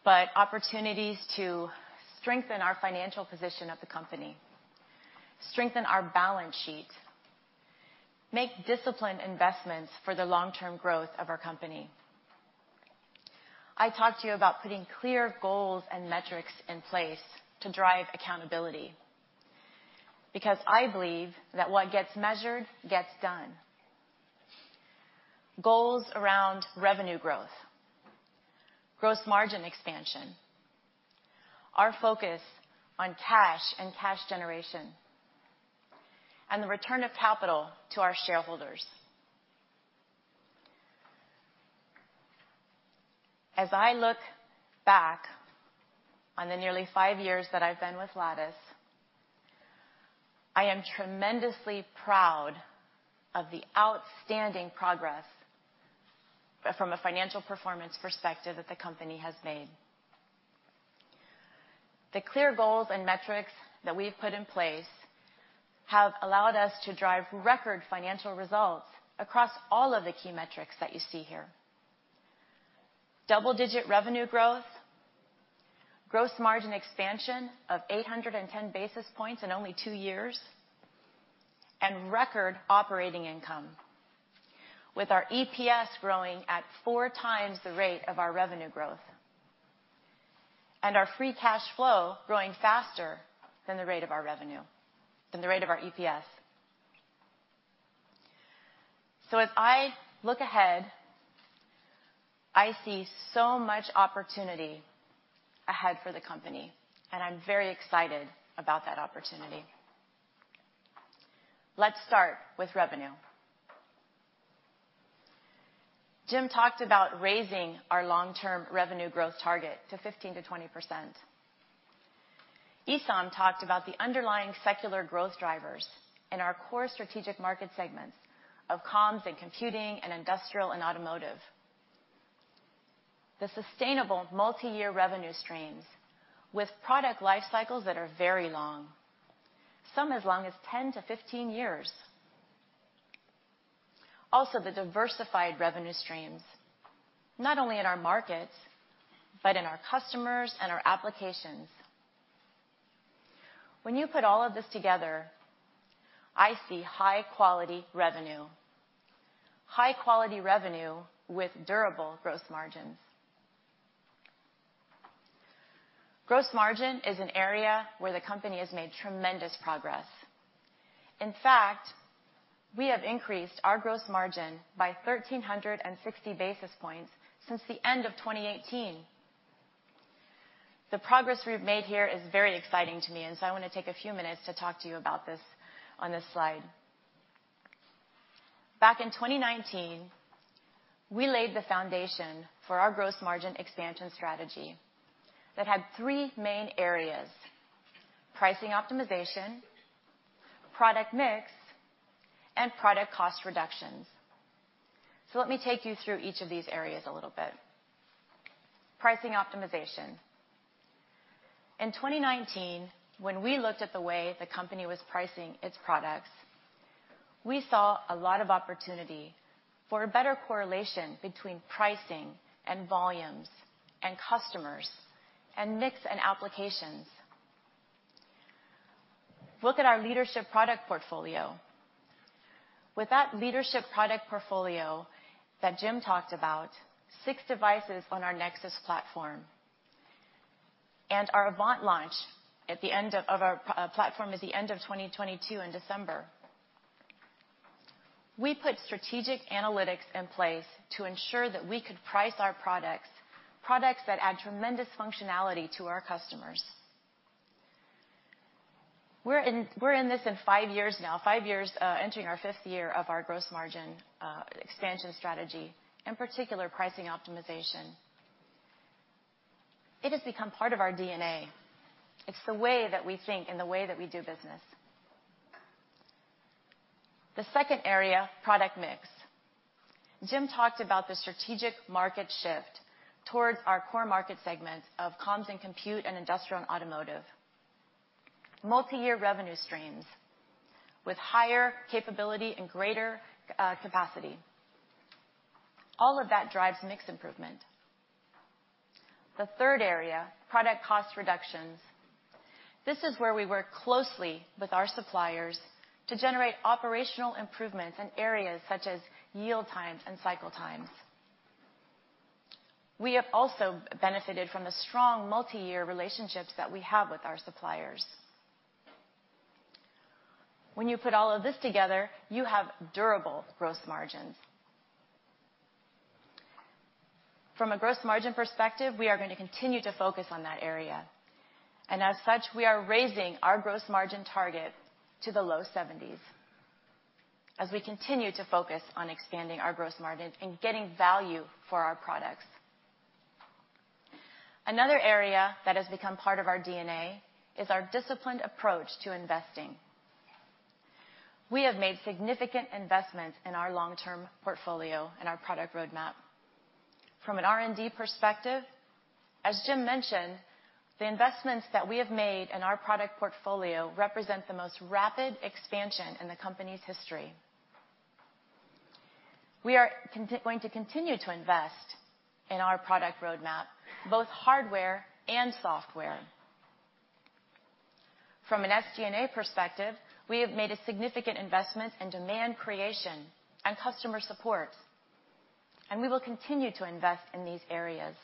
but opportunities to strengthen our financial position of the company, strengthen our balance sheet, make disciplined investments for the long-term growth of our company. I talked to you about putting clear goals and metrics in place to drive accountability because I believe that what gets measured gets done. Goals around revenue growth, gross margin expansion, our focus on cash and cash generation, and the return of capital to our shareholders. As I look back on the nearly five years that I've been with Lattice, I am tremendously proud of the outstanding progress from a financial performance perspective that the company has made. The clear goals and metrics that we've put in place have allowed us to drive record financial results across all of the key metrics that you see here. Double-digit revenue growth, gross margin expansion of 810 basis points in only two years, and record operating income with our EPS growing at four times the rate of our revenue growth, and our free cash flow growing faster than the rate of our revenue than the rate of our EPS. As I look ahead, I see so much opportunity ahead for the company, and I'm very excited about that opportunity. Let's start with revenue. Jim talked about raising our long-term revenue growth target to 15%-20%. Issam talked about the underlying secular growth drivers in our core strategic market segments of comms and computing and industrial and automotive. The sustainable multi-year revenue streams with product life cycles that are very long, some as long as 10 years-15 years. Also, the diversified revenue streams, not only in our markets, but in our customers and our applications. When you put all of this together, I see high-quality revenue. High-quality revenue with durable gross margins. Gross margin is an area where the company has made tremendous progress. In fact, we have increased our gross margin by 1,360 basis points since the end of 2018. The progress we've made here is very exciting to me. I want to take a few minutes to talk to you about this on this slide. Back in 2019, we laid the foundation for our gross margin expansion strategy that had three main areas: pricing optimization, product mix, and product cost reductions. Let me take you through each of these areas a little bit. Pricing optimization. In 2019, when we looked at the way the company was pricing its products, we saw a lot of opportunity for a better correlation between pricing and volumes and customers and mix and applications. Look at our leadership product portfolio. With that leadership product portfolio that Jim talked about, six devices on our Nexus platform and our Avant launch at the end of our platform at the end of 2022 in December. We put strategic analytics in place to ensure that we could price our products that add tremendous functionality to our customers. We're in this in five years now, five years, entering our fifth year of our gross margin expansion strategy, in particular, pricing optimization. It has become part of our DNA. It's the way that we think and the way that we do business. The second area, product mix. Jim talked about the strategic market shift towards our core market segments of comms and compute and industrial and automotive. Multi-year revenue streams with higher capability and greater capacity. All of that drives mix improvement. The third area, product cost reductions. This is where we work closely with our suppliers to generate operational improvements in areas such as yield times and cycle times. We have also benefited from the strong multi-year relationships that we have with our suppliers. When you put all of this together, you have durable gross margins. From a gross margin perspective, we are going to continue to focus on that area. As such, we are raising our gross margin target to the low 70s as we continue to focus on expanding our gross margins and getting value for our products. Another area that has become part of our DNA is our disciplined approach to investing. We have made significant investments in our long-term portfolio and our product roadmap. From an R&D perspective, as Jim mentioned, the investments that we have made in our product portfolio represent the most rapid expansion in the company's history. We are going to continue to invest in our product roadmap, both hardware and software. From an SG&A perspective, we have made a significant investment in demand creation and customer support, we will continue to invest in these areas.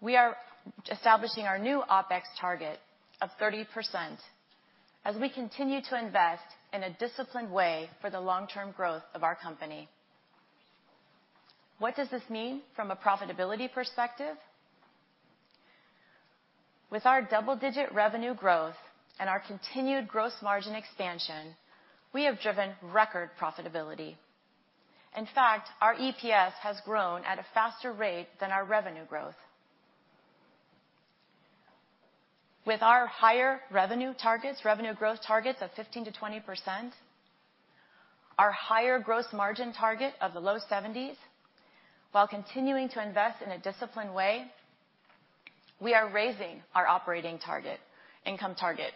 We are establishing our new OpEx target of 30% as we continue to invest in a disciplined way for the long-term growth of our company. What does this mean from a profitability perspective? With our double-digit revenue growth and our continued gross margin expansion, we have driven record profitability. In fact, our EPS has grown at a faster rate than our revenue growth. With our higher revenue targets, revenue growth targets of 15%-20%, our higher gross margin target of the low 70s, while continuing to invest in a disciplined way, we are raising our operating income target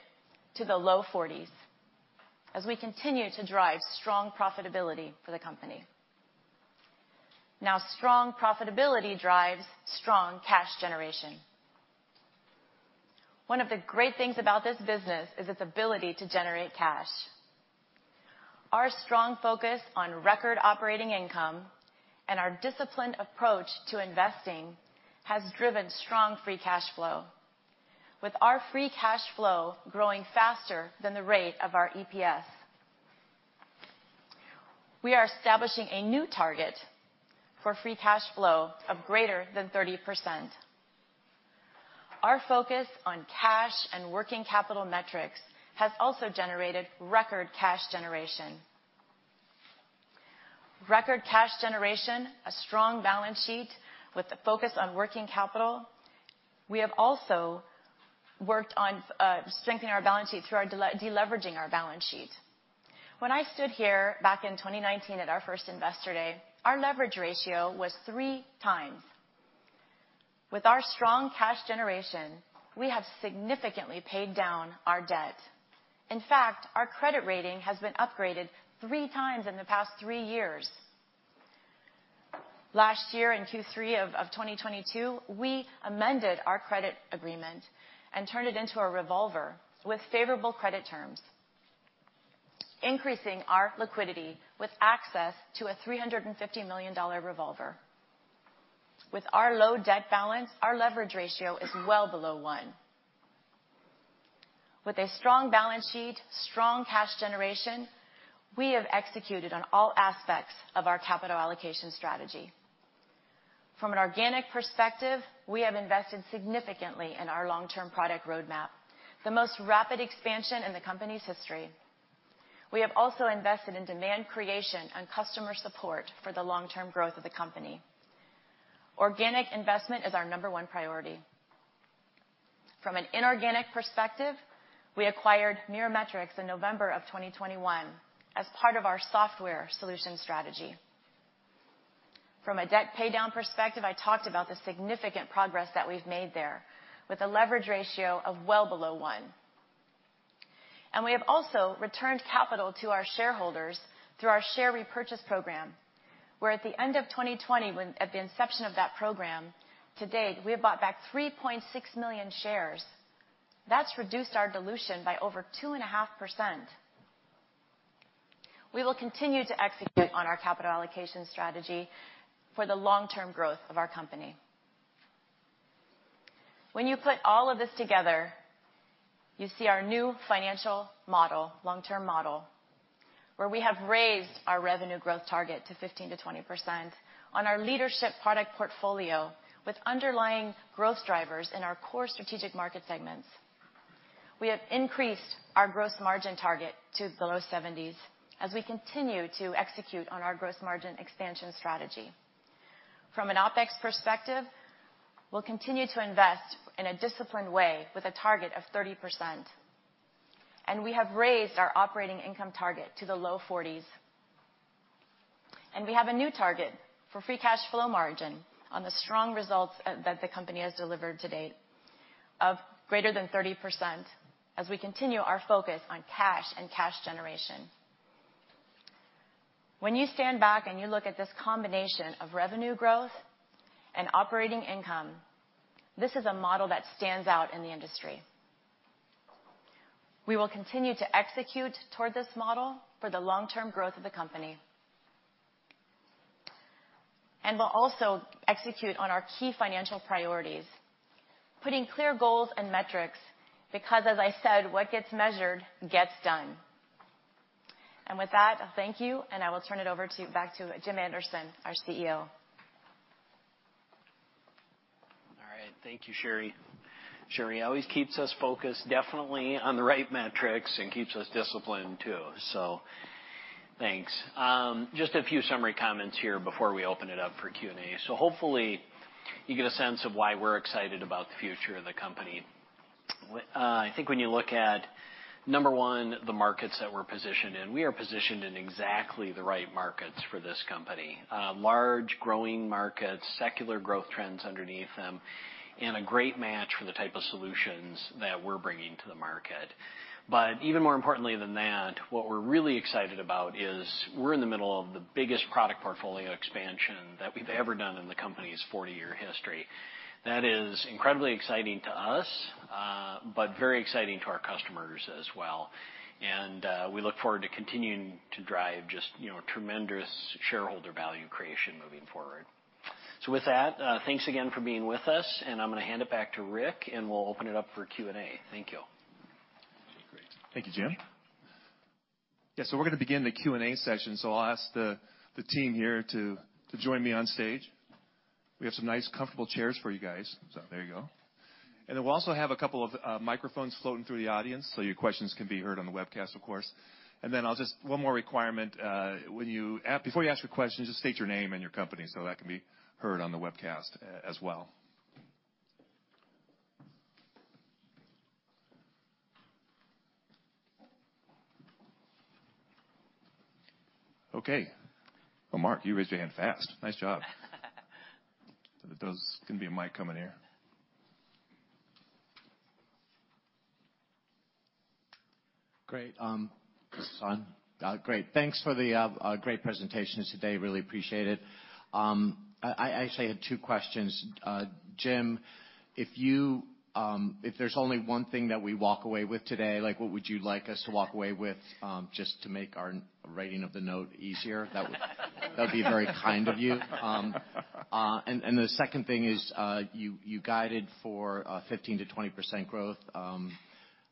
to the low 40s as we continue to drive strong profitability for the company. Strong profitability drives strong cash generation. One of the great things about this business is its ability to generate cash. Our strong focus on record operating income and our disciplined approach to investing has driven strong free cash flow. With our free cash flow growing faster than the rate of our EPS. We are establishing a new target for free cash flow of greater than 30%. Our focus on cash and working capital metrics has also generated record cash generation. Record cash generation, a strong balance sheet with a focus on working capital. We have also worked on strengthening our balance sheet through our deleveraging our balance sheet. When I stood here back in 2019 at our first Investor Day, our leverage ratio was 3x. With our strong cash generation, we have significantly paid down our debt. In fact, our credit rating has been upgraded 3 times in the past three years. Last year, in Q3 of 2022, we amended our credit agreement and turned it into a revolver with favorable credit terms, increasing our liquidity with access to a $350 million revolver. With our low debt balance, our leverage ratio is well below one. With a strong balance sheet, strong cash generation, we have executed on all aspects of our capital allocation strategy. From an organic perspective, we have invested significantly in our long-term product roadmap, the most rapid expansion in the company's history. We have also invested in demand creation and customer support for the long-term growth of the company. Organic investment is our number 1 priority. From an inorganic perspective, we acquired Mirametrix in November of 2021 as part of our software solution strategy. From a debt paydown perspective, I talked about the significant progress that we've made there with a leverage ratio of well below one. We have also returned capital to our shareholders through our share repurchase program, where at the end of 2020, when at the inception of that program to date, we have bought back 3.6 million shares. That's reduced our dilution by over 2.5%. We will continue to execute on our capital allocation strategy for the long-term growth of our company. When you put all of this together, you see our new financial model, long-term model, where we have raised our revenue growth target to 15%-20% on our leadership product portfolio with underlying growth drivers in our core strategic market segments. We have increased our gross margin target to the low 70s as we continue to execute on our gross margin expansion strategy. From an OpEx perspective, we'll continue to invest in a disciplined way with a target of 30%, and we have raised our operating income target to the low 40s. We have a new target for free cash flow margin on the strong results that the company has delivered to date of greater than 30% as we continue our focus on cash and cash generation. When you stand back and you look at this combination of revenue growth and operating income, this is a model that stands out in the industry. We will continue to execute toward this model for the long-term growth of the company. We'll also execute on our key financial priorities, putting clear goals and metrics, because as I said, what gets measured gets done. With that, I thank you, and I will turn it over back to Jim Anderson, our CEO. All right. Thank you, Sherri. Sherri always keeps us focused definitely on the right metrics and keeps us disciplined too. Thanks. Just a few summary comments here before we open it up for Q&A. Hopefully you get a sense of why we're excited about the future of the company. I think when you look at, number one, the markets that we're positioned in, we are positioned in exactly the right markets for this company. Large growing markets, secular growth trends underneath them, and a great match for the type of solutions that we're bringing to the market. Even more importantly than that, what we're really excited about is we're in the middle of the biggest product portfolio expansion that we've ever done in the company's 40-year history. That is incredibly exciting to us, but very exciting to our customers as well. We look forward to continuing to drive just, you know, tremendous shareholder value creation moving forward. With that, thanks again for being with us, and I'm gonna hand it back to Rick, and we'll open it up for Q&A. Thank you. Okay, great. Thank you, Jim. We're gonna begin the Q&A session. I'll ask the team here to join me on stage. We have some nice comfortable chairs for you guys. There you go. We'll also have a couple of microphones floating through the audience, so your questions can be heard on the webcast, of course. I'll just one more requirement, before you ask a question, just state your name and your company so that can be heard on the webcast as well. Okay. Well, Mark, you raised your hand fast. Nice job. There's gonna be a mic coming to you. Great. This is on. Great. Thanks for the great presentations today. Really appreciate it. I actually had two questions. Jim, if you, if there's only one thing that we walk away with today, like, what would you like us to walk away with, just to make our writing of the note easier? That would be very kind of you. The second thing is, you guided for 15%-20% growth.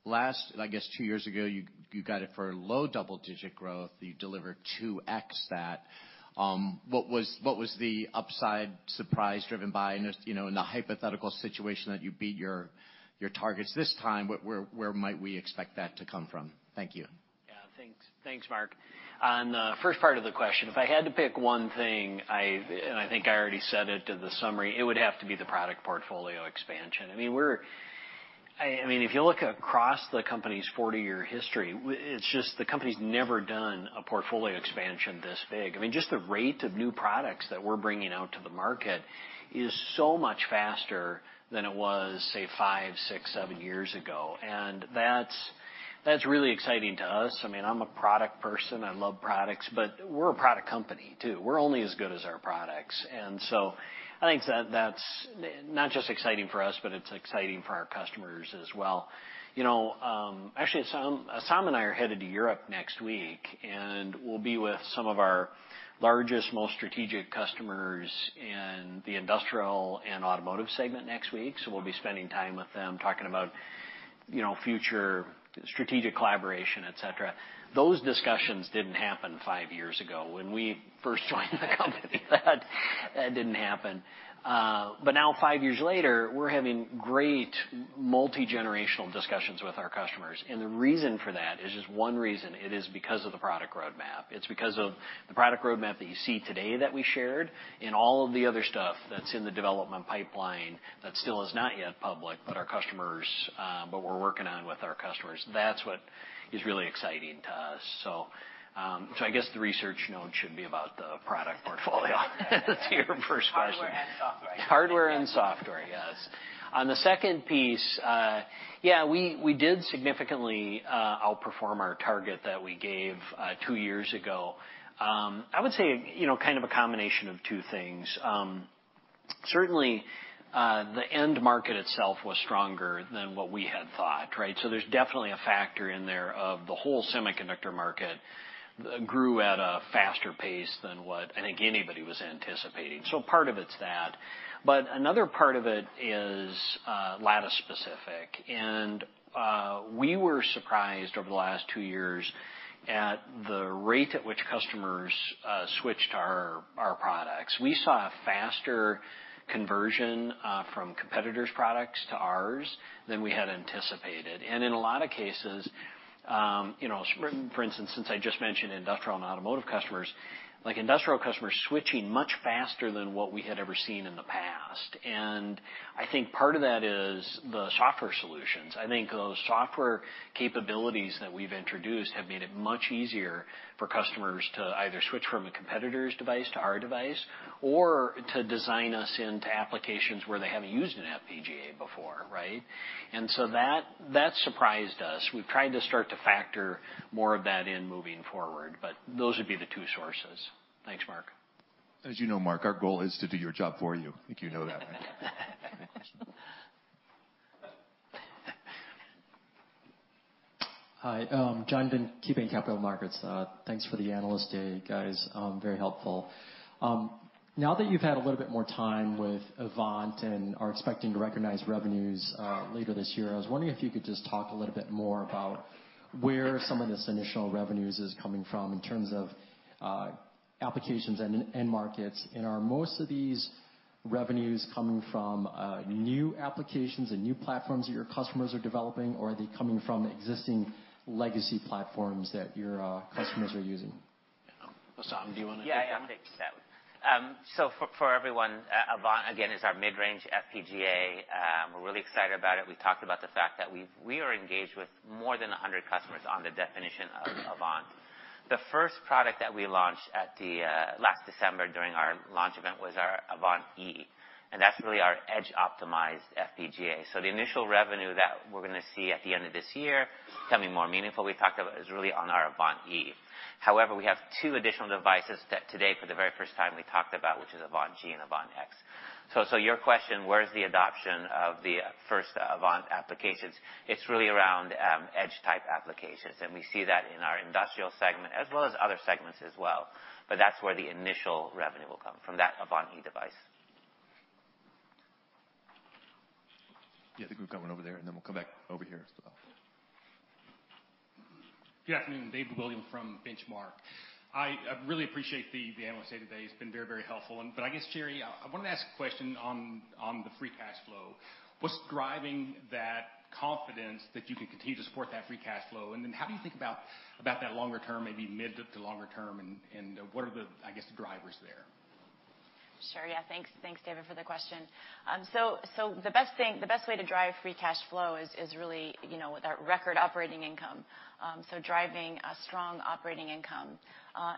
Last I guess, two years ago, you got it for low double-digit growth. You delivered 2x that. What was the upside surprise driven by? And just, you know, in the hypothetical situation that you beat your targets this time, where might we expect that to come from? Thank you. Yeah. Thanks, Mark. On the first part of the question, if I had to pick one thing, I think I already said it in the summary, it would have to be the product portfolio expansion. I mean, if you look across the company's 40-year history, it's just the company's never done a portfolio expansion this big. I mean, just the rate of new products that we're bringing out to the market is so much faster than it was, say, five years, six years, seven years ago, and that's really exciting to us. I mean, I'm a product person. I love products, but we're a product company too. We're only as good as our products. I think that's not just exciting for us, but it's exciting for our customers as well. You know, actually, Essam and I are headed to Europe next week. We'll be with some of our largest, most strategic customers in the industrial and automotive segment next week. We'll be spending time with them talking about, you know, future strategic collaboration, et cetera. Those discussions didn't happen five years ago when we first joined the company. That didn't happen. Now five years later, we're having great multi-generational discussions with our customers. The reason for that is just one reason. It is because of the product roadmap. It's because of the product roadmap that you see today that we shared and all of the other stuff that's in the development pipeline that still is not yet public, but our customers, but we're working on with our customers. That's what is really exciting to us. I guess the research note should be about the product portfolio to your first question. Hardware and software. Hardware and software, yes. On the second piece, yeah, we did significantly outperform our target that we gave two years ago. I would say, you know, kind of a combination of two things. Certainly, the end market itself was stronger than what we had thought, right? There's definitely a factor in there of the whole semiconductor market grew at a faster pace than what I think anybody was anticipating. Part of it's that. Another part of it is Lattice specific. We were surprised over the last two years at the rate at which customers switched our products. We saw a faster conversion from competitors' products to ours than we had anticipated. In a lot of cases, you know, for instance, since I just mentioned industrial and automotive customers, like industrial customers switching much faster than what we had ever seen in the past. I think part of that is the software solutions. I think those software capabilities that we've introduced have made it much easier for customers to either switch from a competitor's device to our device or to design us into applications where they haven't used an FPGA before, right? So that surprised us. We've tried to start to factor more of that in moving forward, but those would be the two sources. Thanks, Mark. As you know, Mark, our goal is to do your job for you. I think you know that. Hi, John Vinh, KeyBanc Capital Markets. Thanks for the analyst day, guys. Very helpful. Now that you've had a little bit more time with Avant and are expecting to recognize revenues later this year, I was wondering if you could just talk a little bit more about where some of this initial revenues is coming from in terms of applications and end markets. Are most of these revenues coming from new applications and new platforms that your customers are developing, or are they coming from existing legacy platforms that your customers are using? Esam, do you wanna take that? I can take that one. For everyone, Avant again is our mid-range FPGA. We're really excited about it. We talked about the fact that we are engaged with more than 100 customers on the definition of Avant. The first product that we launched at the last December during our launch event was our Avant-E, that's really our edge-optimized FPGA. The initial revenue that we're gonna see at the end of this year becoming more meaningful, we talked about, is really on our Avant-E. However, we have two additional devices that today, for the very first time, we talked about, which is Avant-G and Avant-X. Your question, where is the adoption of the first Avant applications? It's really around, edge-type applications. We see that in our industrial segment as well as other segments as well. That's where the initial revenue will come from, that Avant-E device. Yeah. I think we have one over there, and then we'll come back over here as well. Good afternoon. David Williams from Benchmark. I really appreciate the analyst day today. It's been very, very helpful. I guess, Sherri, I wanna ask a question on the free cash flow. What's driving that confidence that you can continue to support that free cash flow? Then how do you think about that longer term, maybe mid to longer term, and what are the, I guess, drivers there? Sure. Yeah. Thanks. Thanks, David, for the question. The best way to drive free cash flow is really, you know, with our record operating income, so driving a strong operating income,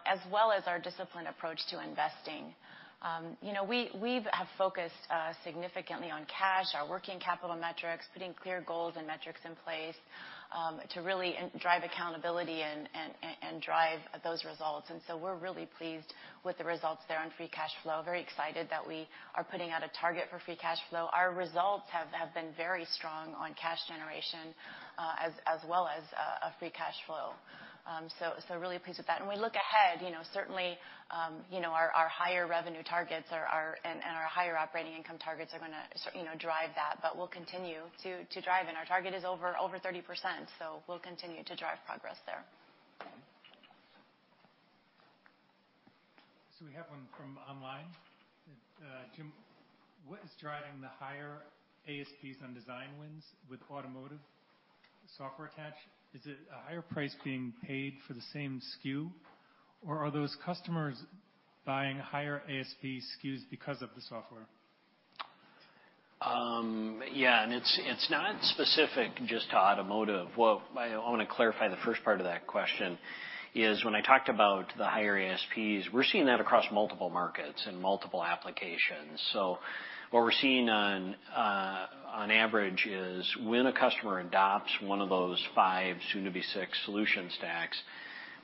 as well as our disciplined approach to investing. You know, we've have focused significantly on cash, our working capital metrics, putting clear goals and metrics in place, to really drive accountability and drive those results. We're really pleased with the results there on free cash flow. Very excited that we are putting out a target for free cash flow. Our results have been very strong on cash generation, as well as a free cash flow. Really pleased with that. We look ahead, you know, certainly, you know, our higher revenue targets and our higher operating income targets are gonna, you know, drive that, but we'll continue to drive, and our target is over 30%. We'll continue to drive progress there. We have one from online. Jim, what is driving the higher ASPs on design wins with automotive software attach? Is it a higher price being paid for the same SKU, or are those customers buying higher ASP SKUs because of the software? Yeah. It's not specific just to automotive. Well, I wanna clarify the first part of that question, is when I talked about the higher ASPs, we're seeing that across multiple markets and multiple applications. What we're seeing on average is when a customer adopts one of those five, soon to be six solution stacks,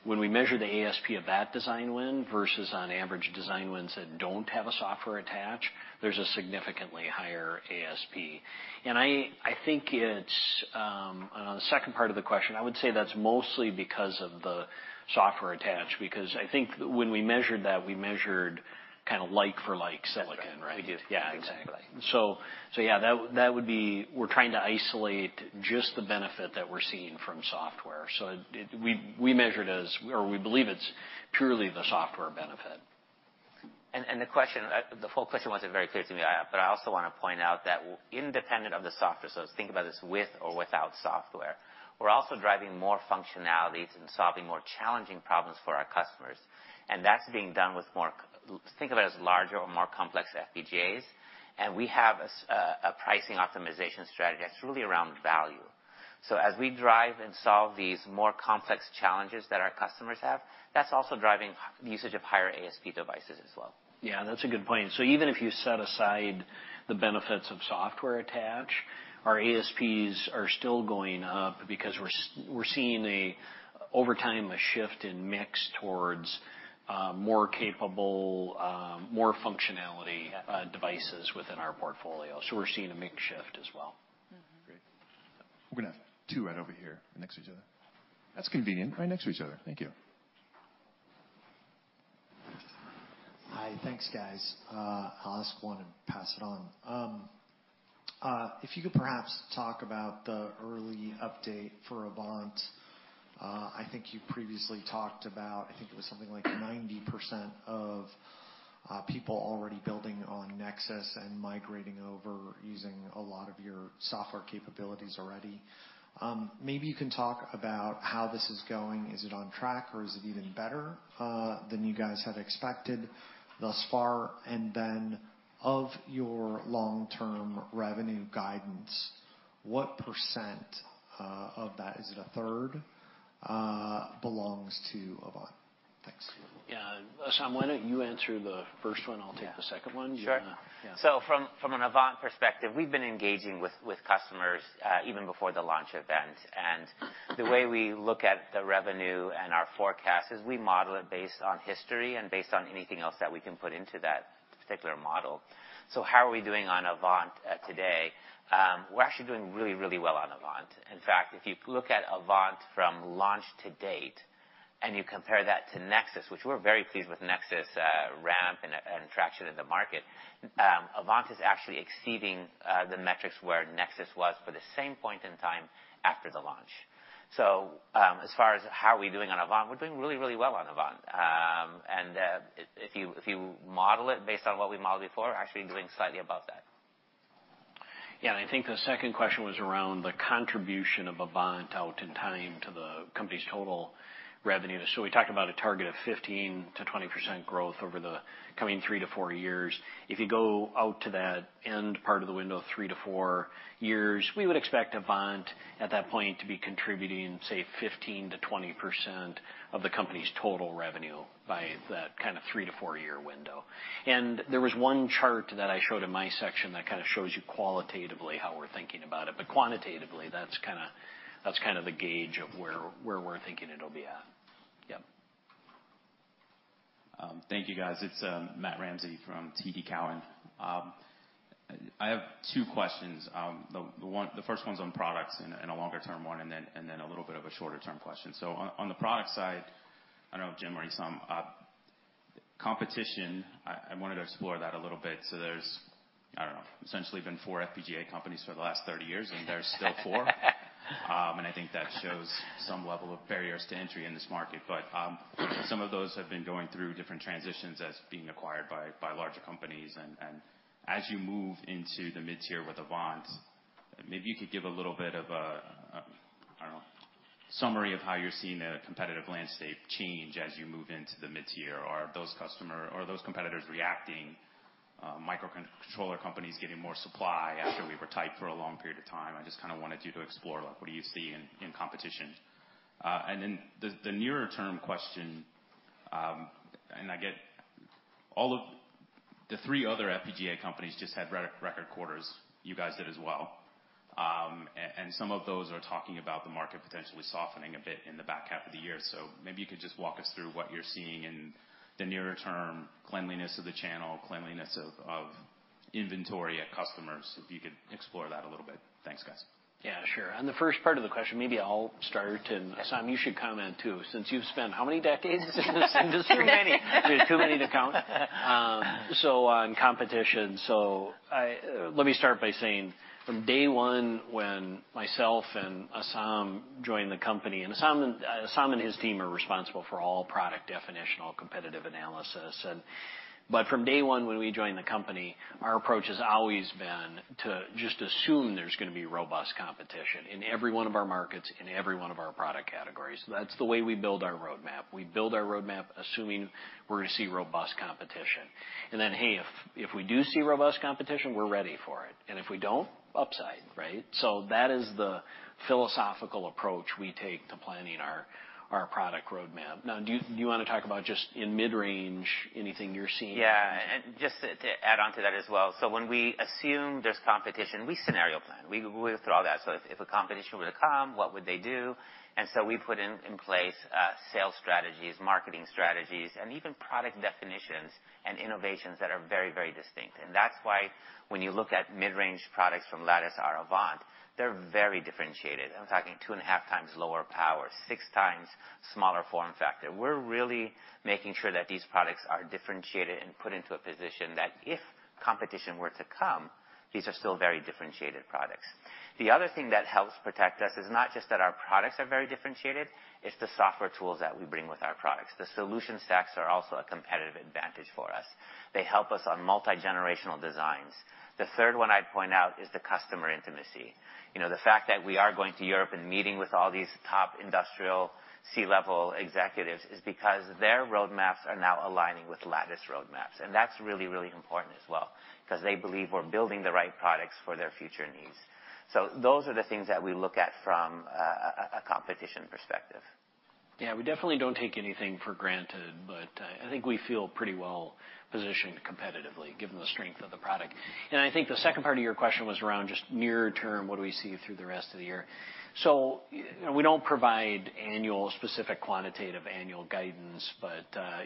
when we measure the ASP of that design win versus on average design wins that don't have a software attach, there's a significantly higher ASP. I think it's on the second part of the question, I would say that's mostly because of the software attach, because I think when we measured that, we measured kind of like for like silicon, right? Yeah, exactly. Yeah, that would be we're trying to isolate just the benefit that we're seeing from software. We measure it as or we believe it's purely the software benefit. The question, the full question wasn't very clear to me, but I also wanna point out that independent of the software, so think about this with or without software, we're also driving more functionalities and solving more challenging problems for our customers. That's being done with more, think about it as larger or more complex FPGAs, and we have a pricing optimization strategy that's really around value. As we drive and solve these more complex challenges that our customers have, that's also driving usage of higher ASP devices as well. Yeah, that's a good point. Even if you set aside the benefits of software attach, our ASPs are still going up because we're seeing a, over time, a shift in mix towards more capable, more functionality, devices within our portfolio. We're seeing a mix shift as well. Great. We're gonna have two right over here next to each other. That's convenient, right next to each other. Thank you. Hi. Thanks, guys. I'll ask one and pass it on. If you could perhaps talk about the early update for Avant. I think you previously talked about I think it was something like 90% of people already building on Nexus and migrating over using a lot of your software capabilities already. Maybe you can talk about how this is going. Is it on track or is it even better than you guys had expected thus far? Of your long-term revenue guidance, what percent of that, is it a third, belongs to Avant? Thanks. Yeah. Essam, why don't you answer the first one, I'll take the second one. Sure. From an Avant perspective, we've been engaging with customers even before the launch event. The way we look at the revenue and our forecast is we model it based on history and based on anything else that we can put into that particular model. How are we doing on Avant today? We're actually doing really, really well on Avant. In fact, if you look at Avant from launch to date, and you compare that to Nexus, which we're very pleased with Nexus ramp and traction in the market, Avant is actually exceeding the metrics where Nexus was for the same point in time after the launch. As far as how we doing on Avant, we're doing really, really well on Avant. If you model it based on what we modeled before, we're actually doing slightly above that. I think the second question was around the contribution of Avant out in time to the company's total revenue. We talked about a target of 15%-20% growth over the coming three years-four years. If you go out to that end part of the window, three years-four years, we would expect Avant at that point to be contributing, say, 15%-20% of the company's total revenue by that kind of three-year to four-year window. There was one chart that I showed in my section that kind of shows you qualitatively how we're thinking about it. Quantitatively, that's kind of the gauge of where we're thinking it'll be at. Yep. Thank you, guys. It's Matt Ramsay from TD Cowen. I have two questions. The first one's on products and a longer-term one, and then a little bit of a shorter-term question. On the product side, I don't know if Jim or Essam, competition, I wanted to explore that a little bit. There's, I don't know, essentially been four FPGA companies for the last 30 years, and there's still four. And I think that shows some level of barriers to entry in this market. Some of those have been going through different transitions as being acquired by larger companies. As you move into the mid-tier with Avant, maybe you could give a little bit of a, I don't know, summary of how you're seeing the competitive landscape change as you move into the mid-tier. Are those competitors reacting, microcontroller companies getting more supply after we were tight for a long period of time? I just kind of wanted you to explore, like, what do you see in competition? Then the nearer term question, I get all of the three other FPGA companies just had record quarters. You guys did as well. Some of those are talking about the market potentially softening a bit in the back 1/2 of the year. Maybe you could just walk us through what you're seeing in the nearer term cleanliness of the channel, cleanliness of inventory at customers, if you could explore that a little bit. Thanks, guys. Yeah, sure. On the first part of the question, maybe I'll start, and Assum, you should comment, too, since you've spent how many decades in this industry? Too many. Too many to count. On competition. I, let me start by saying from day one, when myself and Essam joined the company, Essam and his team are responsible for all product definitional competitive analysis. But from day one, when we joined the company, our approach has always been to just assume there's gonna be robust competition in every one of our markets, in every one of our product categories. That's the way we build our roadmap. We build our roadmap assuming we're gonna see robust competition. Then, hey, if we do see robust competition, we're ready for it. If we don't, upside, right? That is the philosophical approach we take to planning our product roadmap. Do you, do you wanna talk about just in mid-range, anything you're seeing? Yeah. Just to add onto that as well. When we assume there's competition, we scenario plan. We go through all that. If a competition were to come, what would they do? We put in place sales strategies, marketing strategies, and even product definitions and innovations that are very, very distinct. That's why when you look at mid-range products from Lattice Avant, they're very differentiated. I'm talking 2.5x lower power, 6x smaller form factor. We're really making sure that these products are differentiated and put into a position that if competition were to come, these are still very differentiated products. The other thing that helps protect us is not just that our products are very differentiated, it's the software tools that we bring with our products. The solution stacks are also a competitive advantage for us. They help us on multi-generational designs. The third one I'd point out is the customer intimacy. You know, the fact that we are going to Europe and meeting with all these top industrial C-level executives is because their roadmaps are now aligning with Lattice roadmaps, and that's really, really important as well, 'cause they believe we're building the right products for their future needs. Those are the things that we look at from a competition perspective. Yeah, we definitely don't take anything for granted. I think we feel pretty well positioned competitively given the strength of the product. I think the second part of your question was around just near term, what do we see through the rest of the year. You know, we don't provide annual specific quantitative annual guidance.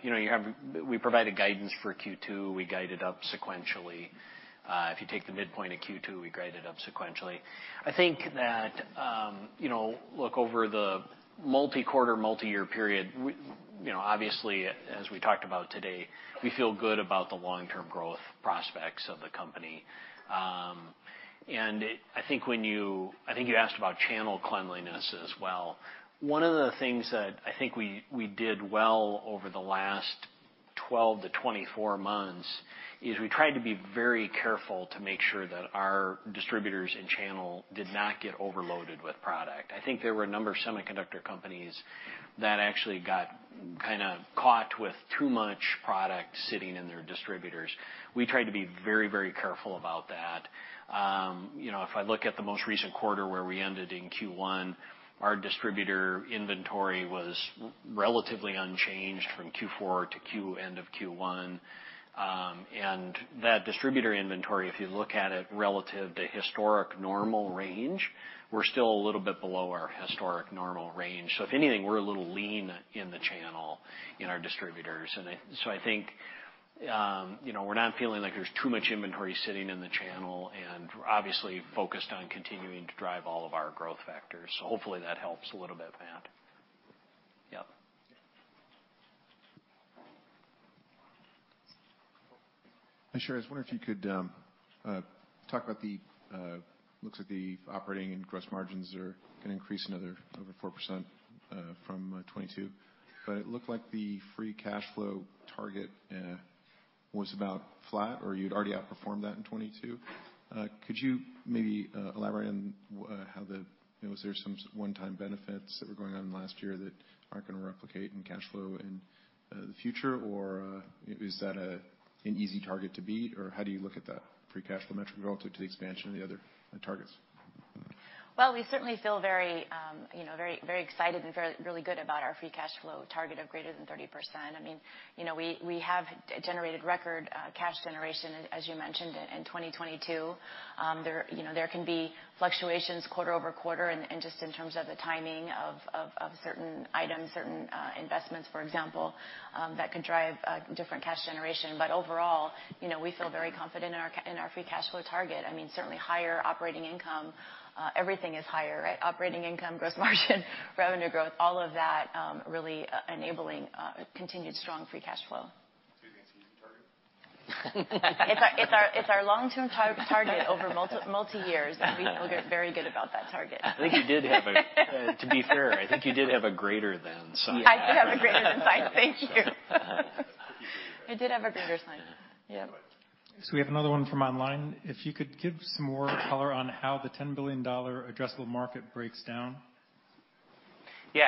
You know, you have. We provided guidance for Q2. We guided up sequentially. If you take the midpoint of Q2, we guided up sequentially. I think that, you know, look, over the multi-quarter, multi-year period, we, you know, obviously as we talked about today, we feel good about the long-term growth prospects of the company. I think you asked about channel cleanliness as well. One of the things that I think we did well over the last 12 months-24 months is we tried to be very careful to make sure that our distributors and channel did not get overloaded with product. I think there were a number of semiconductor companies that actually got kinda caught with too much product sitting in their distributors. We tried to be very, very careful about that. You know, if I look at the most recent quarter where we ended in Q1, our distributor inventory was relatively unchanged from Q4 to end of Q1. And that distributor inventory, if you look at it relative to historic normal range, we're still a little bit below our historic normal range. If anything, we're a little lean in the channel in our distributors. I think, you know, we're not feeling like there's too much inventory sitting in the channel. We're obviously focused on continuing to drive all of our growth factors. Hopefully that helps a little bit, Matt. Yep. Hi, Sherri. I was wondering if you could talk about the looks like the operating and gross margins are gonna increase another over 4% from 2022. It looked like the free cash flow target was about flat or you'd already outperformed that in 2022. Could you maybe elaborate on how, you know, was there some one-time benefits that were going on last year that aren't gonna replicate in cash flow in the future? Is that an easy target to beat? How do you look at the free cash flow metric relative to the expansion of the other targets? Well, we certainly feel very, you know, very excited and very really good about our free cash flow target of greater than 30%. I mean, you know, we have generated record cash generation, as you mentioned in 2022. There, you know, there can be fluctuations quarter-over-quarter in just in terms of the timing of certain items, certain investments, for example, that could drive different cash generation. Overall, you know, we feel very confident in our free cash flow target. I mean, certainly higher Operating income. Everything is higher, right? Operating income, Gross margin, Revenue growth, all of that, really enabling continued strong free cash flow. You're gonna keep the target? It's our long-term target over multi years, and we feel very good about that target. To be fair, I think you did have a greater than sign. I do have a greater than sign. Thank you. Sorry. It did have a greater sign. Yep. We have another one from online. If you could give some more color on how the $10 billion addressable market breaks down. Yeah.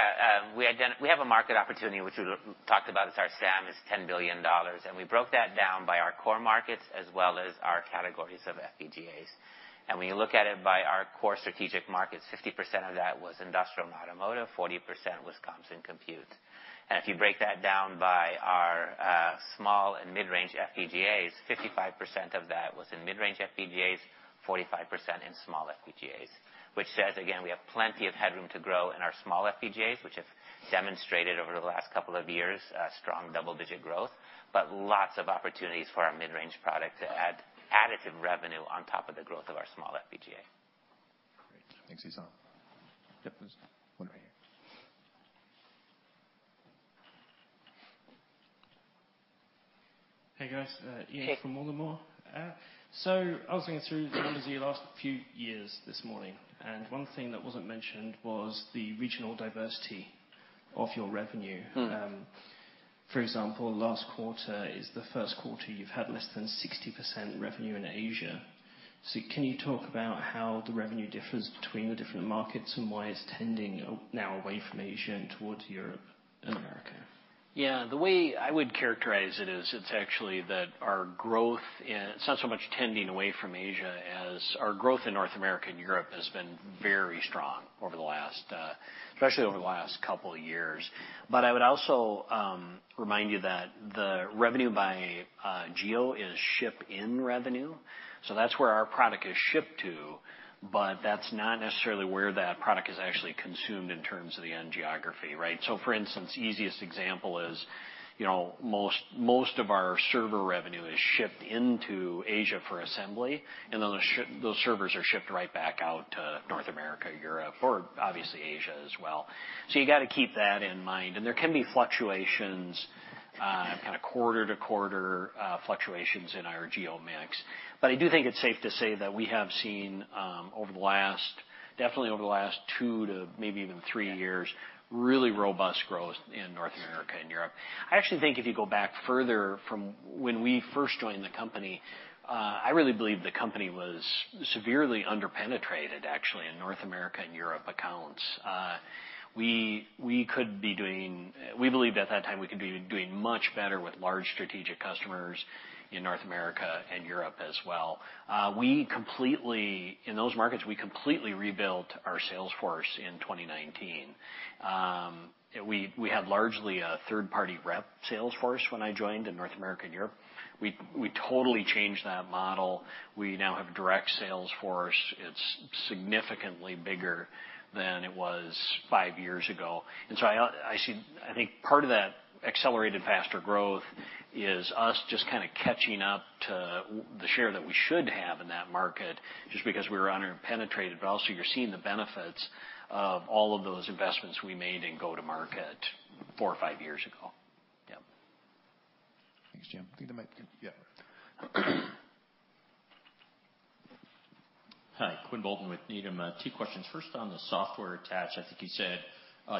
We have a market opportunity which we talked about as our SAM is $10 billion, and we broke that down by our core markets as well as our categories of FPGAs. When you look at it by our core strategic markets, 60% of that was industrial and automotive, 40% was comms and compute. If you break that down by our small and mid-range FPGAs, 55% of that was in mid-range FPGAs, 45% in small FPGAs. Which says, again, we have plenty of headroom to grow in our small FPGAs, which have demonstrated over the last couple of years, strong double-digit growth. Lots of opportunities for our mid-range product to add additive revenue on top of the growth of our small FPGA. Great. Thanks, Esam. Yep, there's one right here. Hey, guys. Ian from Wallanmore. I was thinking through the numbers of your last few years this morning, one thing that wasn't mentioned was the regional diversity- Of your revenue. Mm-hmm. For example, last quarter is the Q1 you've had less than 60% revenue in Asia. Can you talk about how the revenue differs between the different markets, and why it's tending now away from Asia and towards Europe and America? Yeah. The way I would characterize it is it's actually that it's not so much tending away from Asia as our growth in North America and Europe has been very strong over the last, especially over the last couple years. I would also remind you that the revenue by geo is ship in revenue, so that's where our product is shipped to, but that's not necessarily where that product is actually consumed in terms of the end geography, right? For instance, easiest example is, you know, most of our server revenue is shipped into Asia for assembly, and then those servers are shipped right back out to North America, Europe or obviously Asia as well. You gotta keep that in mind. There can be fluctuations, kinda quarter-to-quarter, fluctuations in our geo mix. I do think it's safe to say that we have seen, over the last, definitely over the last two to maybe even three years, really robust growth in North America and Europe. I actually think if you go back further from when we first joined the company, I really believe the company was severely under-penetrated actually in North America and Europe accounts. We believed at that time we could be doing much better with large strategic customers in North America and Europe as well. We completely, in those markets, we completely rebuilt our sales force in 2019. We had largely a third-party rep sales force when I joined in North America and Europe. We totally changed that model. We now have direct sales force. It's significantly bigger than it was five years ago. I think part of that accelerated faster growth is us just kinda catching up to the share that we should have in that market just because we were under-penetrated, but also you're seeing the benefits of all of those investments we made in go-to-market for or five years ago. Yeah. Thanks, Jim. I think the mic-- Yeah. Hi, Quinn Bolton with Needham. Two questions. First, on the software attach, I think you said,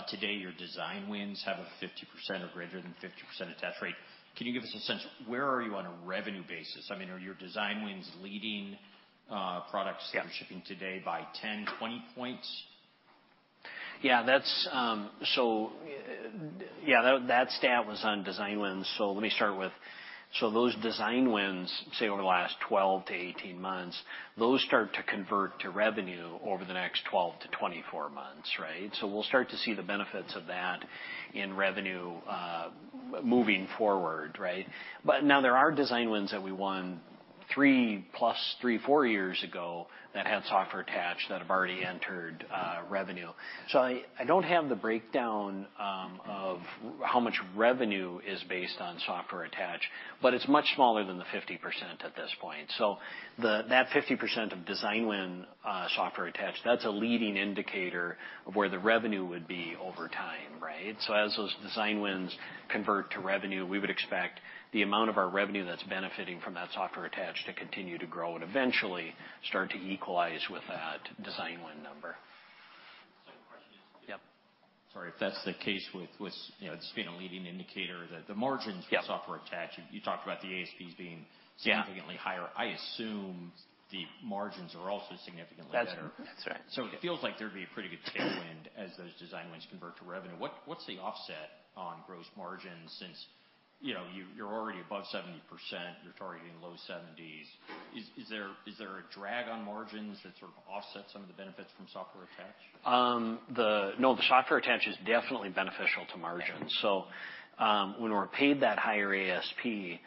today your design wins have a 50% or greater than 50% attach rate. Can you give us a sense, where are you on a revenue basis? I mean, are your design wins leading? Yeah. that you're shipping today by 10 points, 20 points? Yeah. That's, yeah, that stat was on design wins. Let me start with... Those design wins, say over the last 12 months-18 months, those start to convert to revenue over the next 12 months-24 months, right? We'll start to see the benefits of that in revenue, moving forward, right? Now there are design wins that we won 3+, three, four years ago that had software attached that have already entered revenue. I don't have the breakdown of how much revenue is based on software attached, but it's much smaller than the 50% at this point. The, that 50% of design win software attached, that's a leading indicator of where the revenue would be over time, right? As those design wins convert to revenue, we would expect the amount of our revenue that's benefiting from that software attached to continue to grow and eventually start to equalize with that design win number. The question is. Yeah. Sorry. If that's the case with, you know, it's been a leading indicator that the margins- Yeah. -for software attached, you talked about the ASPs being- Yeah. significantly higher. I assume the margins are also significantly better. That's right. Yeah. It feels like there'd be a pretty good tailwind as those design wins convert to revenue. What's the offset on gross margins since, you know, you're already above 70%, you're targeting low 70s? Is there a drag on margins that sort of offsets some of the benefits from software attached? No, the software attach is definitely beneficial to margins. Okay. When we're paid that higher ASP,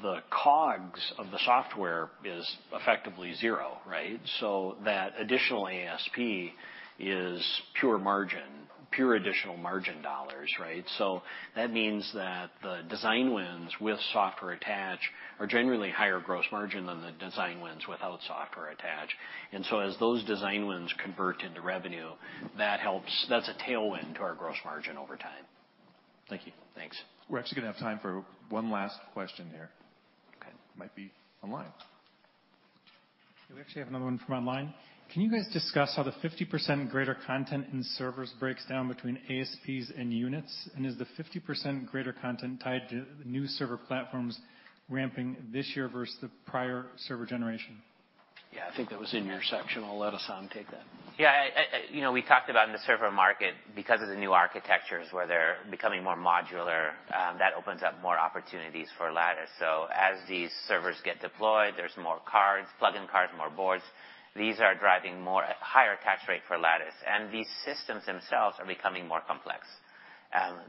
the COGS of the software is effectively 0, right? That additional ASP is pure margin, pure additional margin $, right? That means that the design wins with software attached are generally higher gross margin than the design wins without software attached. As those design wins convert into revenue, that helps. That's a tailwind to our gross margin over time. Thank you. Thanks. We're actually gonna have time for one last question here. Okay. Might be online. We actually have another one from online. Can you guys discuss how the 50% greater content in servers breaks down between ASPs and units? Is the 50% greater content tied to the new server platforms ramping this year versus the prior server generation? Yeah. I think that was in your section. I'll let Esam take that. Yeah. You know, we talked about in the server market, because of the new architectures where they're becoming more modular, that opens up more opportunities for Lattice. As these servers get deployed, there's more cards, plug-in cards, more boards. These are driving more, higher attach rate for Lattice, and these systems themselves are becoming more complex.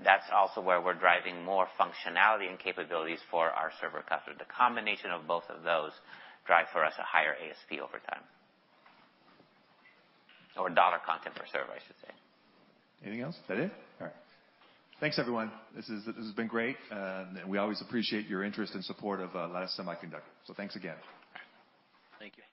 That's also where we're driving more functionality and capabilities for our server customer. The combination of both of those drive for us a higher ASP over time. Dollar content per server, I should say. Anything else? Is that it? All right. Thanks, everyone. This is, this has been great. We always appreciate your interest and support of Lattice Semiconductor. Thanks again. Thank you.